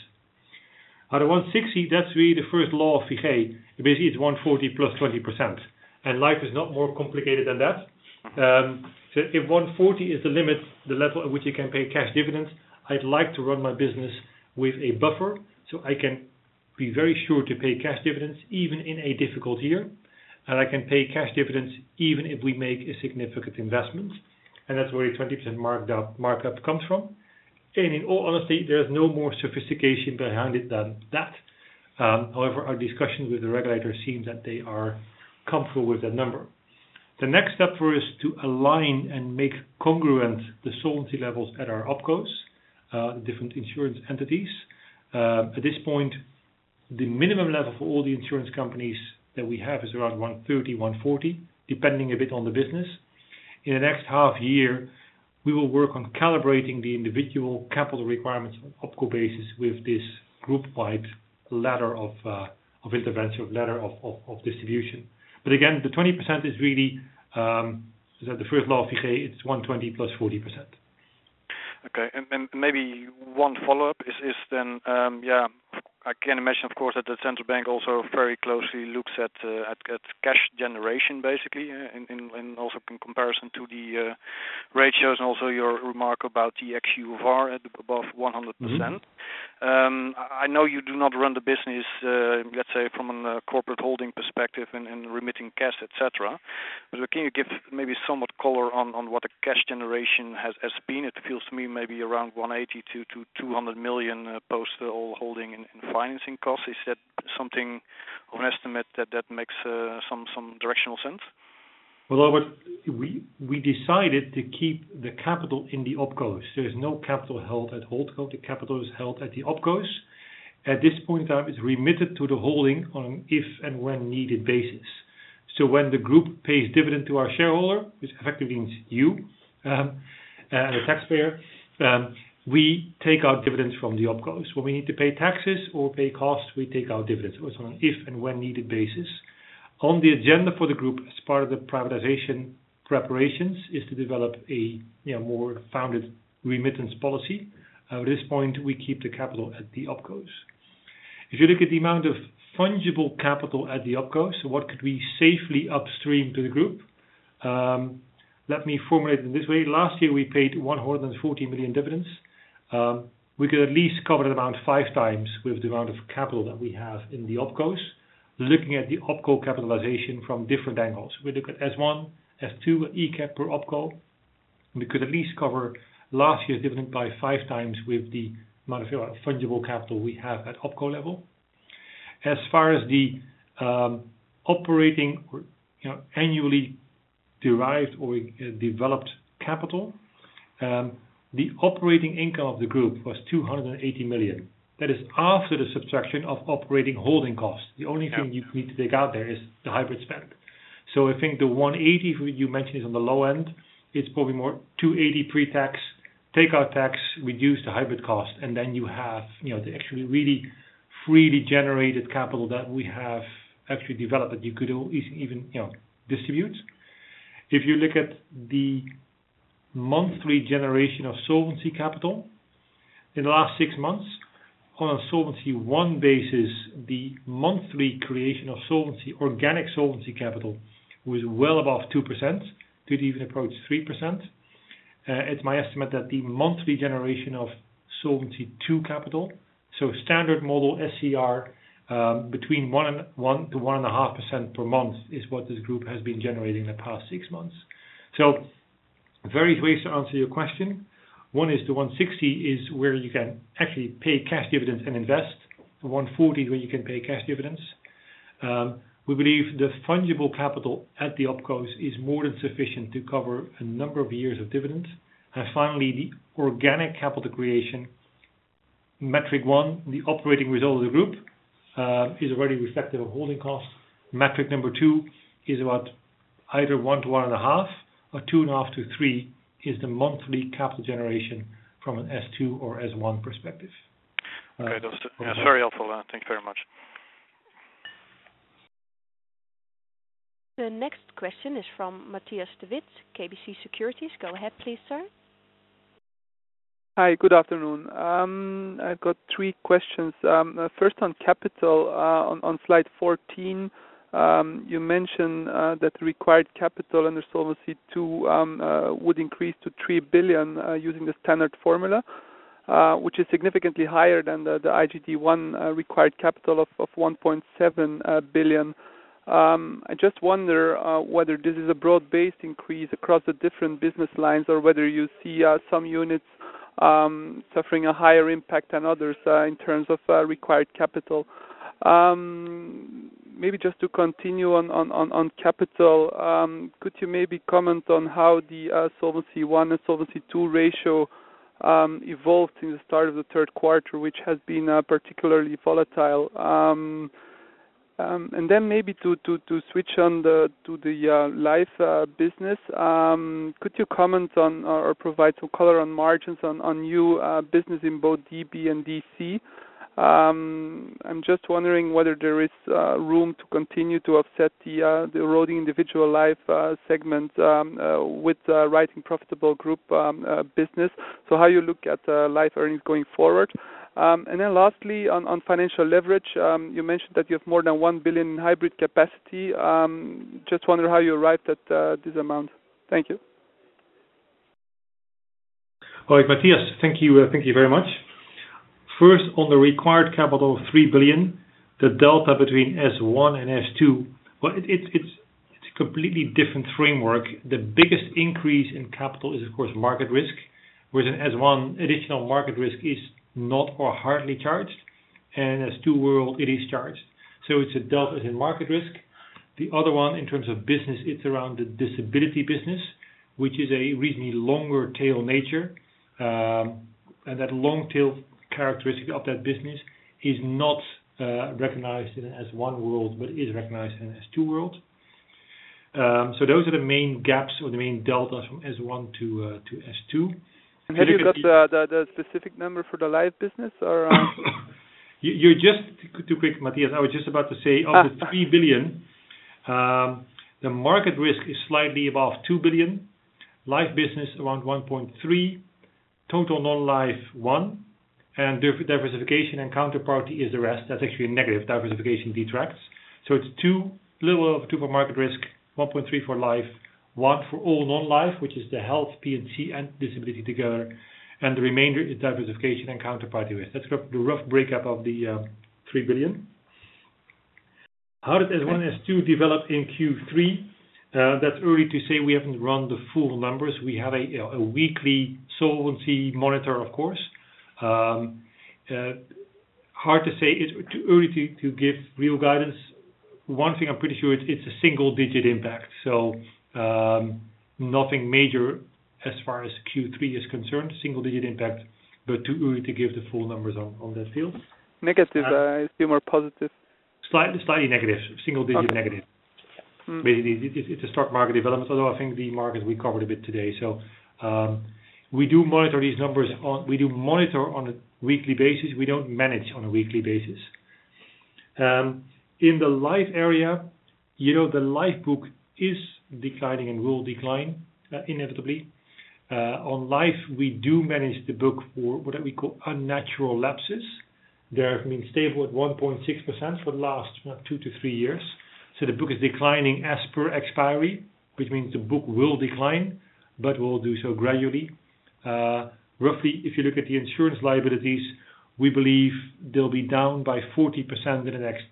Out of 160, that's really the first law of Figee. Basically, it's 140 plus 20%, and life is not more complicated than that. If 140 is the limit, the level at which you can pay cash dividends, I'd like to run my business with a buffer, so I can be very sure to pay cash dividends even in a difficult year. I can pay cash dividends even if we make a significant investment. That's where a 20% markup comes from. In all honesty, there's no more sophistication behind it than that. However, our discussions with the regulators seem that they are comfortable with that number. The next step for us to align and make congruent the solvency levels at our OpCos, the different insurance entities. At this point, the minimum level for all the insurance companies that we have is around 130, 140, depending a bit on the business. In the next half year, we will work on calibrating the individual capital requirements on OpCo basis with this group-wide ladder of intervention, ladder of distribution. Again, the 20% is really, as I said, the first law of Figee, it's 120 plus 40%. Okay. Maybe one follow-up is then, I can imagine, of course, that the central bank also very closely looks at cash generation, basically, and also in comparison to the ratios and also your remark about the UFR at above 100%. I know you do not run the business, let's say, from a corporate holding perspective and remitting cash, et cetera. Can you give maybe somewhat color on what the cash generation has been? It feels to me maybe around 180 million to 200 million post-holding and financing costs. Is that something of an estimate that makes some directional sense? Well, Albert, we decided to keep the capital in the OpCos. There is no capital held at HoldCo. The capital is held at the OpCos. At this point in time, it's remitted to the holding on an if and when needed basis. When the group pays dividend to our shareholder, which effectively means you, and the taxpayer, we take our dividends from the OpCos. When we need to pay taxes or pay costs, we take our dividends. It's on an if and when needed basis. On the agenda for the group as part of the privatization preparations is to develop a more founded remittance policy. At this point, we keep the capital at the OpCos. If you look at the amount of fungible capital at the OpCos, what could we safely upstream to the group? Let me formulate it this way. Last year, we paid more than 140 million dividends. We could at least cover the amount five times with the amount of capital that we have in the OpCos. Looking at the OpCo capitalization from different angles. We look at S1, S2, ECap per OpCo. We could at least cover last year's dividend by five times with the amount of fungible capital we have at OpCo level. As far as the operating annually derived or developed capital. The operating income of the group was 280 million. That is after the subtraction of operating holding costs. The only thing you need to take out there is the hybrid spend. I think the 180 you mentioned is on the low end. It's probably more 280 pre-tax, take out tax, reduce the hybrid cost, then you have the actually really freely generated capital that we have actually developed that you could easily even distribute. If you look at the monthly generation of solvency capital in the last six months, on a Solvency I basis, the monthly creation of organic solvency capital was well above 2%, could even approach 3%. It's my estimate that the monthly generation of Solvency II capital, so standard model SCR, between 1%-1.5% per month is what this group has been generating in the past six months. Various ways to answer your question. One is the 160 is where you can actually pay cash dividends and invest. The 140 is where you can pay cash dividends. We believe the fungible capital at the OpCos is more than sufficient to cover a number of years of dividends. Finally, the organic capital creation, metric 1, the operating result of the group, is already reflective of holding costs. Metric number 2 is about either 1 to 1.5 or 2.5 to 3, is the monthly capital generation from an S2 or S1 perspective. Okay. That's very helpful. Thank you very much. The next question is from Matthias De Wit, KBC Securities. Go ahead, please, sir. Hi, good afternoon. I've got three questions. First, on capital, on slide 14, you mentioned that the required capital under Solvency II would increase to 3 billion using the standard formula, which is significantly higher than the Solvency I required capital of 1.7 billion. I just wonder whether this is a broad-based increase across the different business lines or whether you see some units suffering a higher impact than others in terms of required capital. Maybe just to continue on capital. Could you maybe comment on how the Solvency I and Solvency II ratio evolved in the start of the third quarter, which has been particularly volatile? Maybe to switch to the life business, could you comment on or provide some color on margins on new business in both DB and DC? I'm just wondering whether there is room to continue to offset the eroding individual life segment with writing profitable group business. How you look at life earnings going forward. Lastly, on financial leverage, you mentioned that you have more than 1 billion in hybrid capacity. Just wondering how you arrived at this amount. Thank you. All right, Matthias, thank you very much. First, on the required capital of 3 billion, the delta between S1 and S2, well, it's a completely different framework. The biggest increase in capital is, of course, market risk, whereas in S1, additional market risk is not or hardly charged, and in S2 world, it is charged. It's a delta in market risk. The other one, in terms of business, it's around the disability business, which is a reasonably longer tail nature. That long tail characteristic of that business is not recognized in an S1 world but is recognized in an S2 world. Those are the main gaps or the main deltas from S1 to S2. Have you got the specific number for the life business or You're just too quick, Matthias. I was just about to say, of the 3 billion, the market risk is slightly above 2 billion, life business around 1.3 billion, total non-life, 1 billion, and diversification and counterparty is the rest. That's actually a negative. Diversification detracts. It's 2 billion for market risk, 1.3 billion for life, 1 billion for all non-life, which is the health, P&C, and disability together, and the remainder is diversification and counterparty risk. That's the rough breakup of the 3 billion. How did S1, S2 develop in Q3? That's early to say. We haven't run the full numbers. We have a weekly solvency monitor, of course. Hard to say. It's too early to give real guidance. One thing I'm pretty sure it's a single-digit impact, nothing major as far as Q3 is concerned. Single-digit impact, but too early to give the full numbers on that field. Negative? I assume or positive. Slightly negative. Single-digit negative. Okay. Basically, it's a stock market development, although I think the markets we covered a bit today. We do monitor these numbers. We do monitor on a weekly basis. We don't manage on a weekly basis. In the life area, the life book is declining and will decline inevitably. On life, we do manage the book for what we call unnatural lapses. They have been stable at 1.6% for the last two to three years. The book is declining as per expiry, which means the book will decline, but will do so gradually. Roughly, if you look at the insurance liabilities, we believe they'll be down by 40% in the next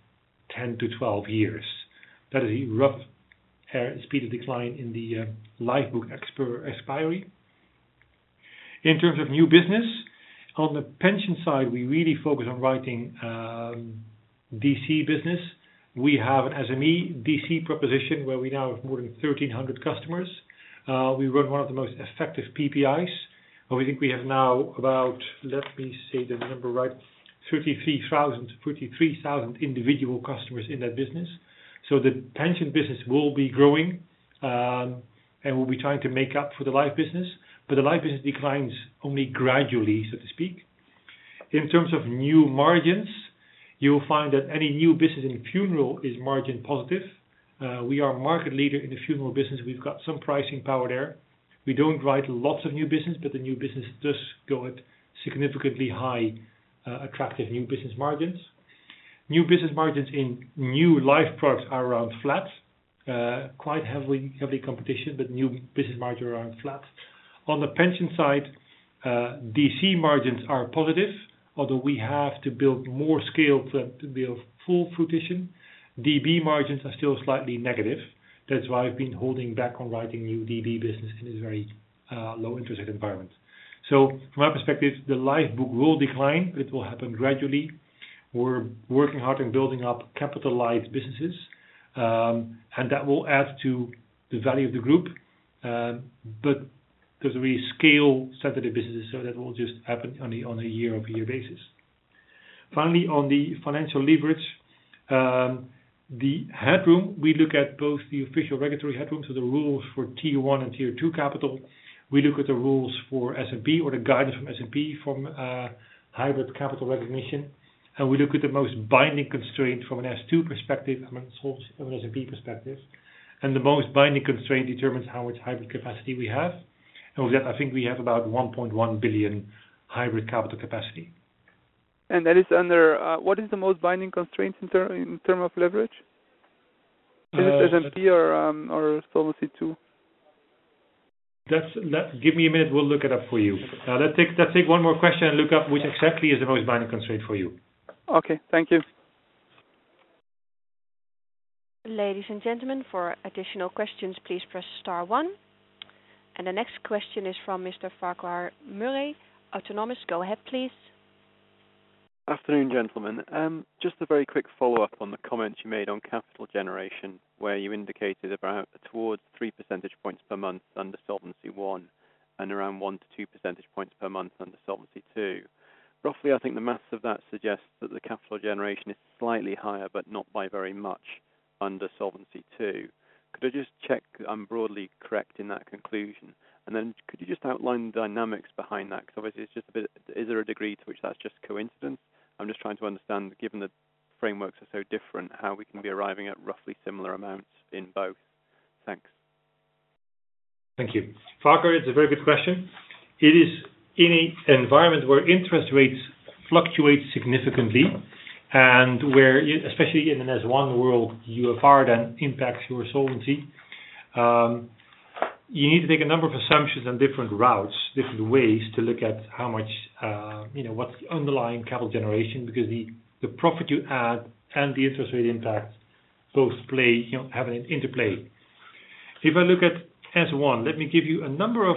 10 to 12 years. That is a rough speed of decline in the life book expiry. In terms of new business, on the pension side, we really focus on writing DC business. We have, as an E, DC proposition, where we now have more than 1,300 customers. We run one of the most effective PPIs. We think we have now about, let me say the number right, 33,000 individual customers in that business. The pension business will be growing, and we'll be trying to make up for the life business. The life business declines only gradually, so to speak. In terms of new margins, you'll find that any new business in funeral is margin positive. We are market leader in the funeral business. We've got some pricing power there. We don't write lots of new business, but the new business does go at significantly high, attractive new business margins. New business margins in new life products are around flat. Quite heavy competition, new business margin are around flat. On the pension side, DC margins are positive, although we have to build more scale to build full fruition. DB margins are still slightly negative. That is why I have been holding back on writing new DB business in a very low interest rate environment. From my perspective, the life book will decline. It will happen gradually. We are working hard on building up capitalized businesses, and that will add to the value of the group. But those are very scale-sensitive businesses, so that will just happen on a year-over-year basis. Finally, on the financial leverage, the headroom, we look at both the official regulatory headroom, so the rules for Tier 1 and Tier 2 capital. We look at the rules for S&P or the guidance from S&P from hybrid capital recognition. We look at the most binding constraint from an S2 perspective amongst all from an S&P perspective. The most binding constraint determines how much hybrid capacity we have. With that, I think we have about 1.1 billion hybrid capital capacity. That is, what is the most binding constraint in terms of leverage? Is it S&P or Solvency II? Give me a minute. We will look it up for you. Let us take one more question and look up which exactly is the most binding constraint for you. Okay. Thank you. Ladies and gentlemen, for additional questions, please press star one. The next question is from Mr. Farquhar Murray, Autonomous. Go ahead, please. Afternoon, gentlemen. Just a very quick follow-up on the comments you made on capital generation, where you indicated about towards three percentage points per month under Solvency I, and around one to two percentage points per month under Solvency II. Roughly, I think the math of that suggests that the capital generation is slightly higher, but not by very much under Solvency II. Could I just check I'm broadly correct in that conclusion, and then could you just outline the dynamics behind that? Is there a degree to which that's just coincidence? I'm just trying to understand, given the frameworks are so different, how we can be arriving at roughly similar amounts in both. Thanks. Thank you, Farquhar, it's a very good question. It is in an environment where interest rates fluctuate significantly and where, especially in a Solvency I world, UFR then impacts your solvency. You need to take a number of assumptions and different routes, different ways to look at what's the underlying capital generation, because the profit you add and the interest rate impact both have an interplay. If I look at Solvency I, let me give you a number of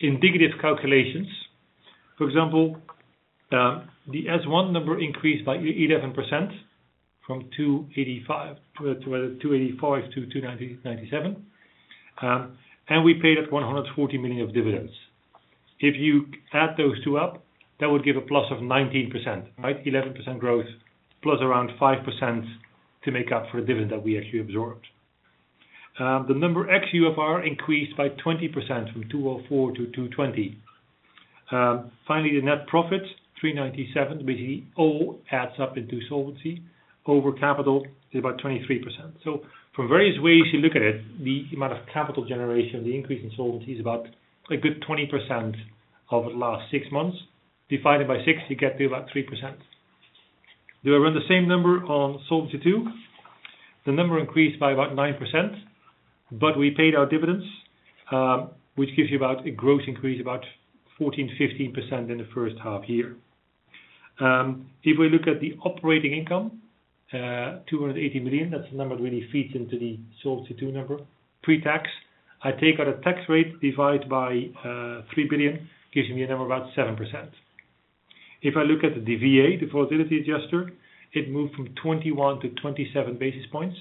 indicative calculations. For example, the Solvency I number increased by 11%, from 285 to 297. We paid out 140 million of dividends. If you add those two up, that would give a plus of 19%, right? 11% growth plus around 5% to make up for the dividend that we actually absorbed. The number x UFR increased by 20%, from 204 to 220. The net profit, 397, basically all adds up into solvency over capital is about 23%. From various ways you look at it, the amount of capital generation, the increase in solvency is about a good 20% over the last 6 months. Divide it by 6, you get to about 3%. Do I run the same number on Solvency II? The number increased by about 9%, but we paid our dividends, which gives you about a gross increase about 14%-15% in the first half-year. If we look at the operating income, 280 million, that's the number that really feeds into the Solvency II number. Pre-tax, I take out a tax rate divide by 3 billion, gives me a number about 7%. If I look at the VA, the volatility adjuster, it moved from 21 to 27 basis points.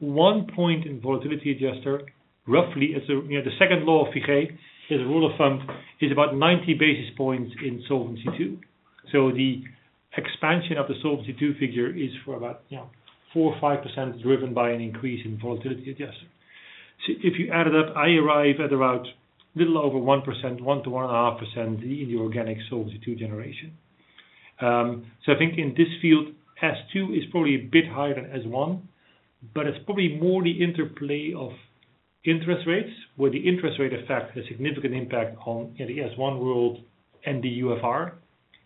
One point in volatility adjuster, roughly as the second law of Figee as a rule of thumb, is about 90 basis points in Solvency II. The expansion of the Solvency II figure is for about 4% or 5% driven by an increase in volatility adjuster. If you add it up, I arrive at around a little over 1%, 1%-1.5% in the organic Solvency II generation. I think in this field, S2 is probably a bit higher than S1, but it's probably more the interplay of interest rates, where the interest rate affects a significant impact on the S1 world and the UFR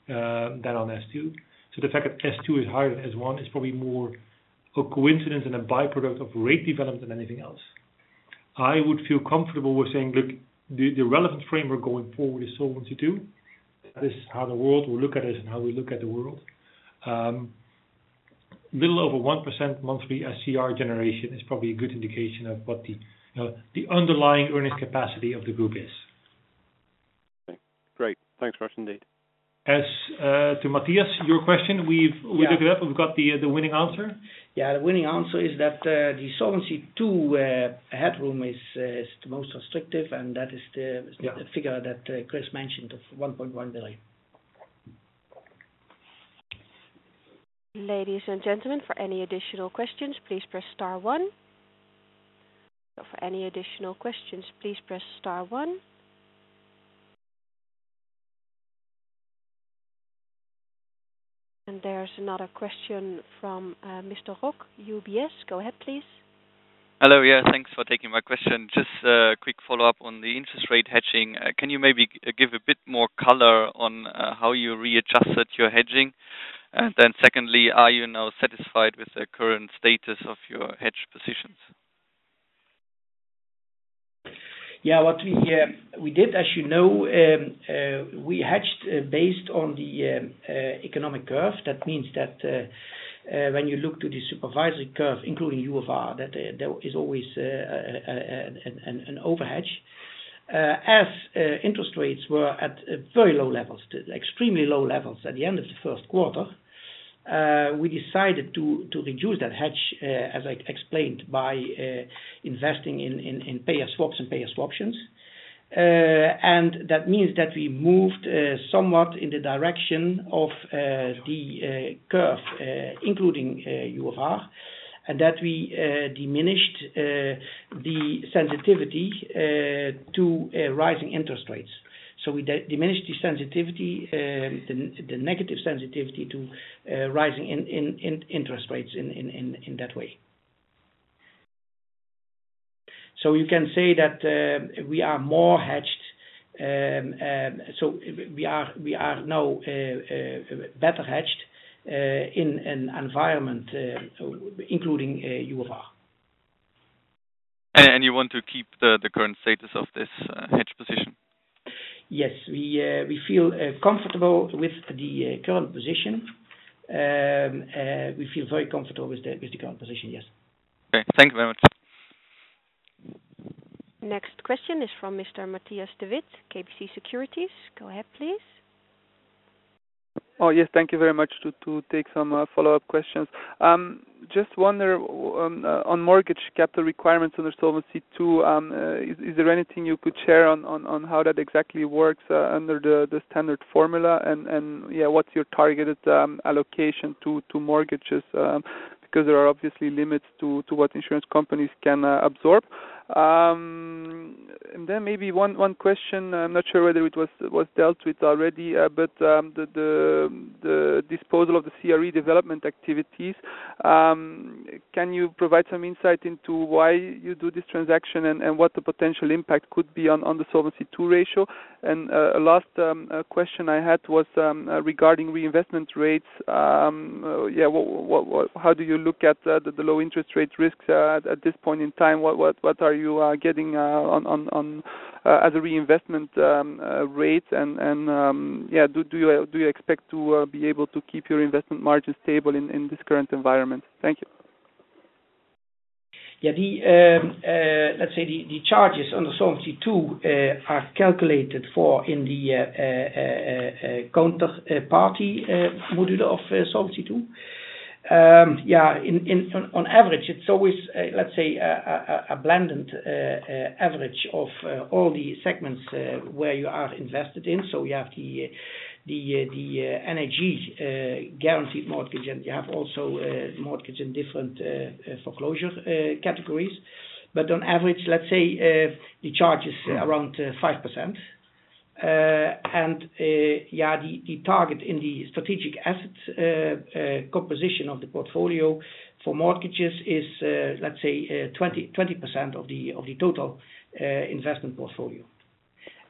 than on S2. The fact that S2 is higher than S1 is probably more a coincidence and a byproduct of rate development than anything else. I would feel comfortable with saying, look, the relevant framework going forward is Solvency II. That is how the world will look at us and how we look at the world. Little over 1% monthly SCR generation is probably a good indication of what the underlying earning capacity of the group is. Okay, great. Thanks very much indeed. As to Matthias, your question, we've looked it up. We've got the winning answer. Yeah, the winning answer is that the Solvency II headroom is the most restrictive, and that is the figure that Chris mentioned of 1.1 billion. Ladies and gentlemen, for any additional questions, please press star one. For any additional questions, please press star one. There's another question from Mr. Rock, UBS. Go ahead, please. Hello. Yeah, thanks for taking my question. Just a quick follow-up on the interest rate hedging. Can you maybe give a bit more color on how you readjusted your hedging? Secondly, are you now satisfied with the current status of your hedge positions? Yeah, what we did, as you know, we hedged based on the economic curve. That means when you look to the supervisory curve, including UFR, there is always an overhedge. As interest rates were at very low levels, extremely low levels at the end of the first quarter, we decided to reduce that hedge, as I explained, by investing in payer swap and payer swaption. We moved somewhat in the direction of the curve, including UFR, and we diminished the sensitivity to rising interest rates. We diminished the negative sensitivity to rising interest rates in that way. You can say that we are more hedged. We are now better hedged in an environment including UFR. You want to keep the current status of this hedge position? Yes, we feel comfortable with the current position. We feel very comfortable with the current position. Yes. Okay. Thank you very much. Next question is from Mr. Matthias de Witte, KBC Securities. Go ahead, please. Yes. Thank you very much. To take some follow-up questions. Just wonder on mortgage capital requirements under Solvency II, is there anything you could share on how that exactly works under the standard formula and what's your targeted allocation to mortgages? Because there are obviously limits to what insurance companies can absorb. Maybe one question, I'm not sure whether it was dealt with already, but the disposal of the CRE development activities. Can you provide some insight into why you do this transaction and what the potential impact could be on the Solvency II ratio? Last question I had was regarding reinvestment rates. How do you look at the low interest rate risks at this point in time? What are you getting as a reinvestment rate and do you expect to be able to keep your investment margin stable in this current environment? Thank you. Let's say the charges under Solvency II are calculated for in the counterparty module of Solvency II. On average, it's always a blended average of all the segments where you are invested in. You have the NHG guaranteed mortgage, and you have also mortgage in different foreclosure categories. On average, let's say the charge is around 5%. The target in the strategic asset composition of the portfolio for mortgages is 20% of the total investment portfolio.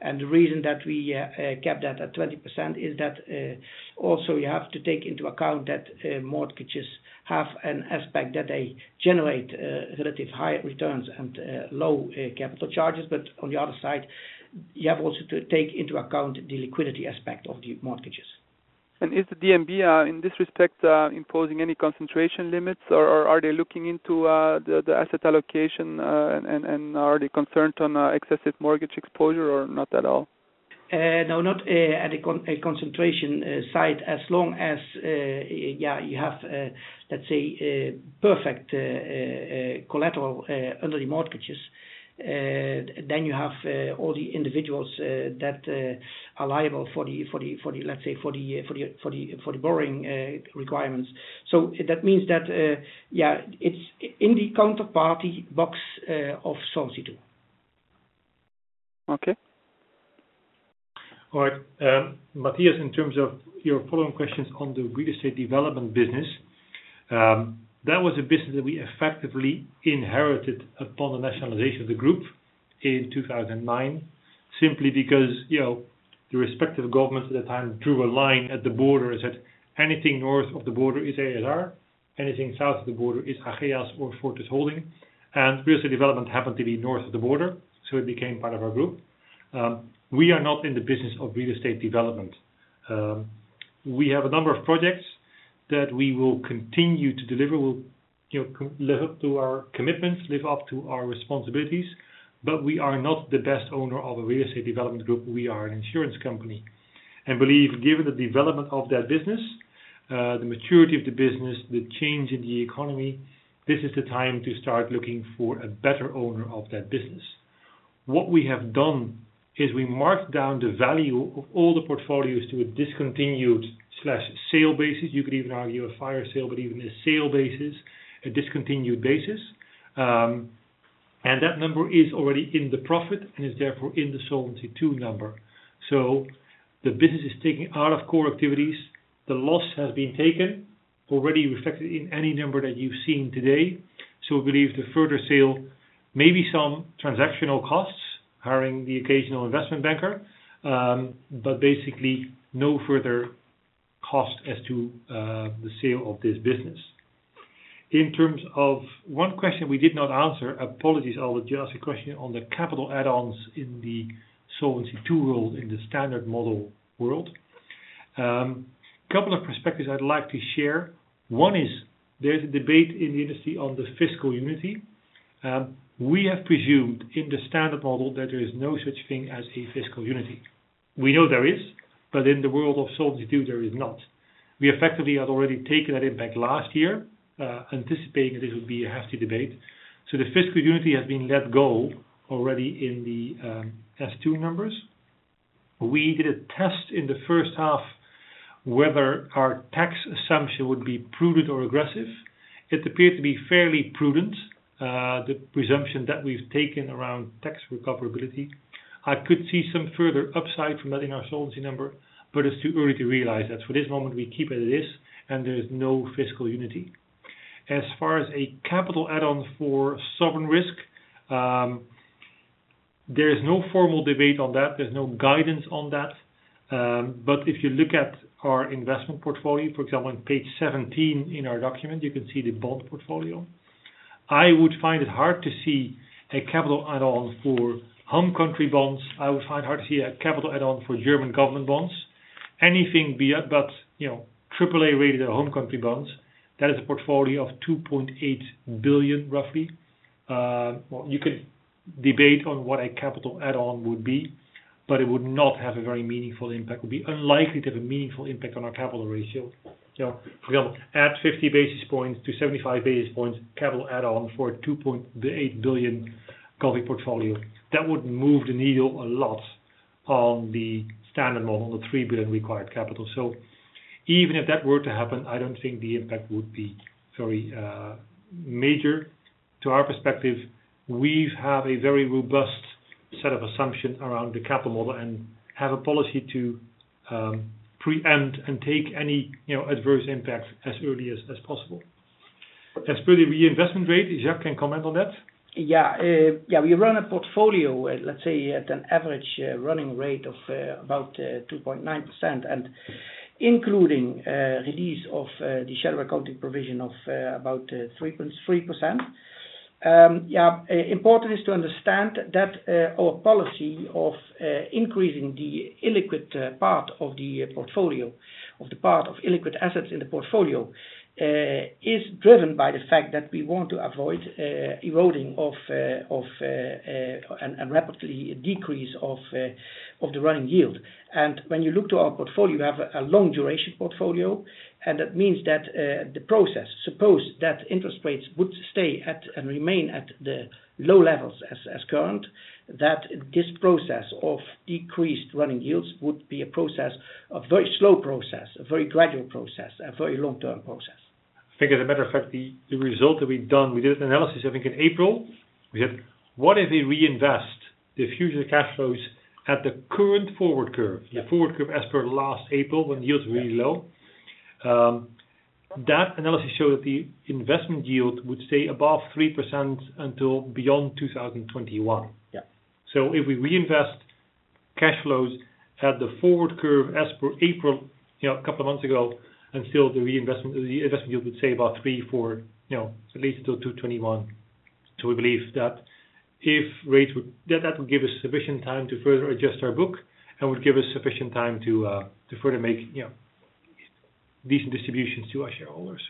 The reason that we kept that at 20% is that also you have to take into account that mortgages have an aspect that they generate relative high returns and low capital charges. On the other side, you have also to take into account the liquidity aspect of the mortgages. Is the DNB, in this respect, imposing any concentration limits or are they looking into the asset allocation, and are they concerned on excessive mortgage exposure or not at all? No, not at a concentration side. As long as you have a perfect collateral under the mortgages, you have all the individuals that are liable for the borrowing requirements. That means that it's in the counterparty box of Solvency II. Okay. All right. Matthias, in terms of your following questions on the real estate development business, that was a business that we effectively inherited upon the nationalization of the group in 2009, simply because the respective governments at the time drew a line at the border and said, anything north of the border is ASR, anything south of the border is Ageas or Fortis Holding. Real estate development happened to be north of the border, it became part of our group. We are not in the business of real estate development. We have a number of projects that we will continue to deliver. We'll live up to our commitments, live up to our responsibilities, we are not the best owner of a real estate development group. We are an insurance company. Believe, given the development of that business, the maturity of the business, the change in the economy, this is the time to start looking for a better owner of that business. What we have done is we marked down the value of all the portfolios to a discontinued/sale basis. You could even argue a fire sale, even a sale basis, a discontinued basis. That number is already in the profit and is therefore in the Solvency II number. The business is taken out of core activities. The loss has been taken, already reflected in any number that you've seen today. We believe the further sale may be some transactional costs, hiring the occasional investment banker, basically no further cost as to the sale of this business. In terms of one question we did not answer, apologies, I'll just ask a question on the capital add-ons in the Solvency II world, in the standard model world. Couple of perspectives I'd like to share. One is there's a debate in the industry on the fiscal unity. We have presumed in the standard model that there is no such thing as a fiscal unity. We know there is, in the world of Solvency II, there is not. We effectively had already taken that impact last year, anticipating that it would be a hefty debate. The fiscal unity has been let go already in the S2 numbers. We did a test in the first half whether our tax assumption would be prudent or aggressive. It appeared to be fairly prudent, the presumption that we've taken around tax recoverability. I could see some further upside from that in our solvency number, but it's too early to realize that. For this moment, we keep it as it is, there is no fiscal unity. As far as a capital add-on for sovereign risk, there is no formal debate on that. There's no guidance on that. If you look at our investment portfolio, for example, on page 17 in our document, you can see the bond portfolio. I would find it hard to see a capital add-on for home country bonds. I would find it hard to see a capital add-on for German government bonds. Anything but AAA-rated home country bonds, that is a portfolio of 2.8 billion, roughly. You could debate on what a capital add-on would be, but it would not have a very meaningful impact. It would be unlikely to have a meaningful impact on our capital ratio. For example, add 50 basis points to 75 basis points capital add-on for a 2.8 billion COVID portfolio. That would move the needle a lot on the standard model, the 3 billion required capital. Even if that were to happen, I don't think the impact would be very major. To our perspective, we have a very robust set of assumptions around the capital model and have a policy to preempt and take any adverse impacts as early as possible. As per the reinvestment rate, Jack can comment on that. We run a portfolio at an average running rate of about 2.9%, and including release of the shadow accounting provision of about 3%. Important is to understand that our policy of increasing the illiquid part of the portfolio, of the part of illiquid assets in the portfolio, is driven by the fact that we want to avoid eroding and rapidly decrease of the running yield. When you look to our portfolio, you have a long duration portfolio, and that means that the process, suppose that interest rates would stay at the low levels as current, that this process of decreased running yields would be a process, a very slow process, a very gradual process, a very long-term process. I think as a matter of fact, the result that we've done, we did an analysis, I think, in April. We said, what if we reinvest the future cash flows at the current forward curve? Yeah. The forward curve as per last April when yields were really low. Yeah. That analysis showed that the investment yield would stay above 3% until beyond 2021. Yeah. If we reinvest cash flows at the forward curve as per April, a couple of months ago, and still the investment yield would stay about three, four, at least until 2021. We believe that that would give us sufficient time to further adjust our book and would give us sufficient time to further make decent distributions to our shareholders.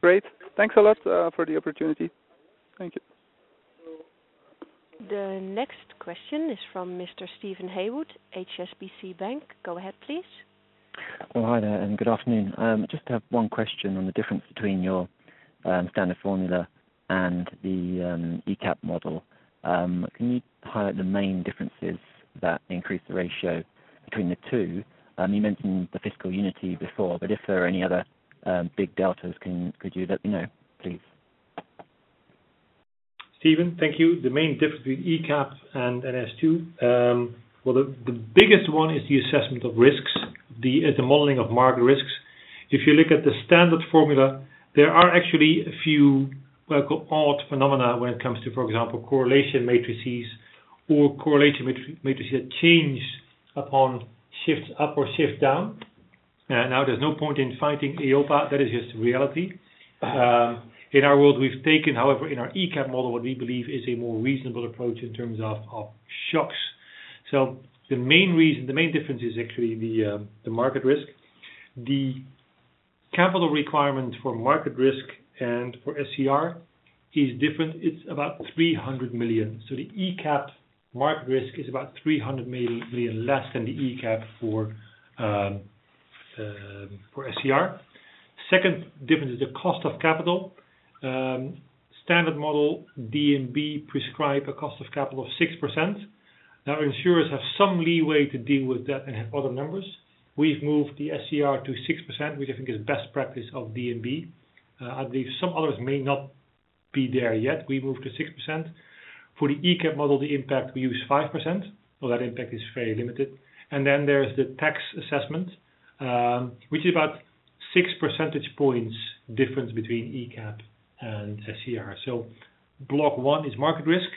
Great. Thanks a lot for the opportunity. Thank you. The next question is from Mr. Steven Haywood, HSBC Bank. Go ahead, please. Well, hi there, good afternoon. Just have one question on the difference between your standard formula and the ECap model. Can you highlight the main differences that increase the ratio between the two? You mentioned the fiscal unity before, but if there are any other big deltas, could you let me know, please? Steven, thank you. The main difference between ECap and Solvency II, well, the biggest one is the assessment of risks, the modeling of market risks. If you look at the standard formula, there are actually a few odd phenomena when it comes to, for example, correlation matrices or correlation matrices that change upon shifts up or shift down. Now, there's no point in fighting EIOPA. That is just reality. In our world, we've taken, however, in our ECap model, what we believe is a more reasonable approach in terms of shocks. The main difference is actually the market risk. The capital requirement for market risk and for SCR is different. It's about 300 million. The ECap market risk is about 300 million less than the ECap for SCR. Second difference is the cost of capital. Standard model DNB prescribe a cost of capital of 6%. Insurers have some leeway to deal with that and have other numbers. We've moved the SCR to 6%, which I think is best practice of DNB. I believe some others may not be there yet. We moved to 6%. For the ECap model, the impact, we use 5%, that impact is very limited. Then there's the tax assessment, which is about six percentage points difference between ECap and SCR. Block one is market risk,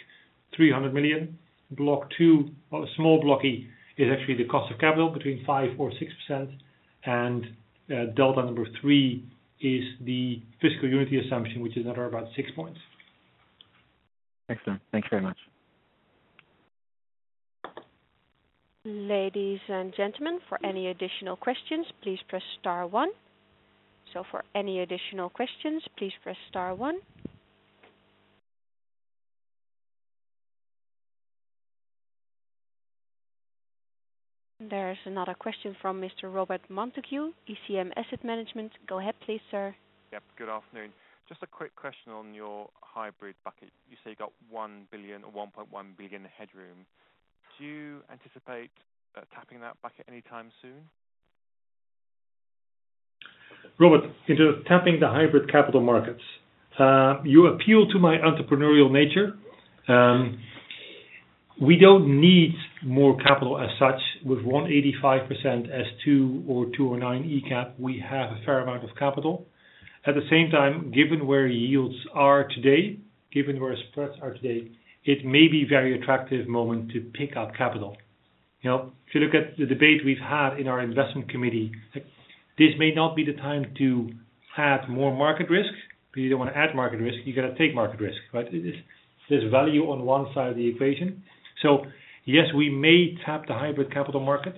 300 million. Block two, a small block E, is actually the cost of capital between 5% or 6%. Delta number three is the fiscal unity assumption, which is at about six points. Excellent. Thank you very much. Ladies and gentlemen, for any additional questions, please press star one. For any additional questions, please press star one. There is another question from Mr. Robert Montague, ECM Asset Management. Go ahead please, sir. Yep. Good afternoon. Just a quick question on your hybrid bucket. You say you got 1 billion or 1.1 billion headroom. Do you anticipate tapping that bucket anytime soon? Robert, in terms of tapping the hybrid capital markets, you appeal to my entrepreneurial nature. We don't need more capital as such. With 185% S2 or 209 ECap, we have a fair amount of capital. At the same time, given where yields are today, given where spreads are today, it may be very attractive moment to pick up capital. If you look at the debate we've had in our investment committee, this may not be the time to add more market risk. If you don't want to add market risk, you got to take market risk, right? There's value on one side of the equation. Yes, we may tap the hybrid capital markets.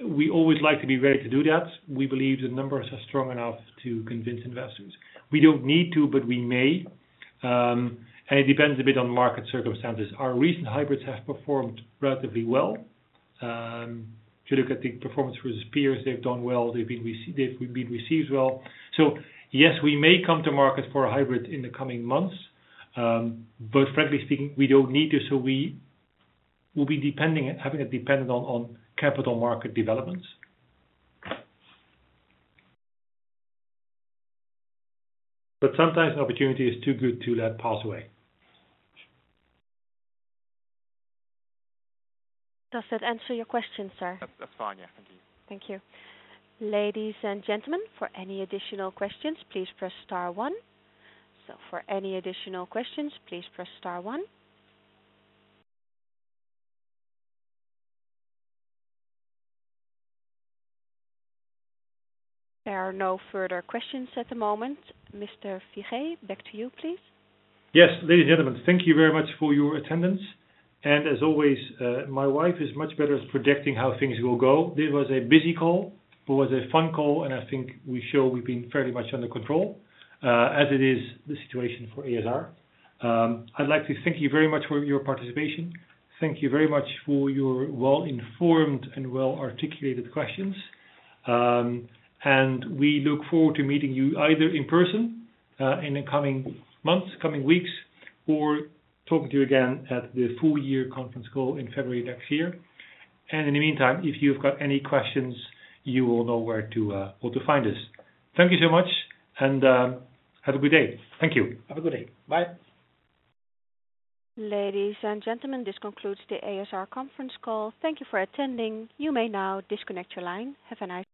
We always like to be ready to do that. We believe the numbers are strong enough to convince investors. We don't need to, but we may. It depends a bit on market circumstances. Our recent hybrids have performed relatively well. If you look at the performance through the peers, they've done well. They've been received well. Yes, we may come to market for a hybrid in the coming months. Frankly speaking, we don't need to, so we will be having it dependent on capital market developments. Sometimes an opportunity is too good to let pass away. Does that answer your question, sir? That's fine, yeah. Thank you. Thank you. Ladies and gentlemen, for any additional questions, please press star one. For any additional questions, please press star one. There are no further questions at the moment. Mr. Figee, back to you, please. Yes. Ladies and gentlemen, thank you very much for your attendance. As always, my wife is much better at predicting how things will go. This was a busy call. It was a fun call, and I think we show we've been fairly much under control, as it is the situation for ASR. I'd like to thank you very much for your participation. Thank you very much for your well-informed and well-articulated questions. We look forward to meeting you either in person in the coming months, coming weeks, or talking to you again at the full year conference call in February next year. In the meantime, if you've got any questions, you will know where to find us. Thank you so much and have a good day. Thank you. Have a good day. Bye. Ladies and gentlemen, this concludes the ASR conference call. Thank you for attending. You may now disconnect your line. Have a nice day.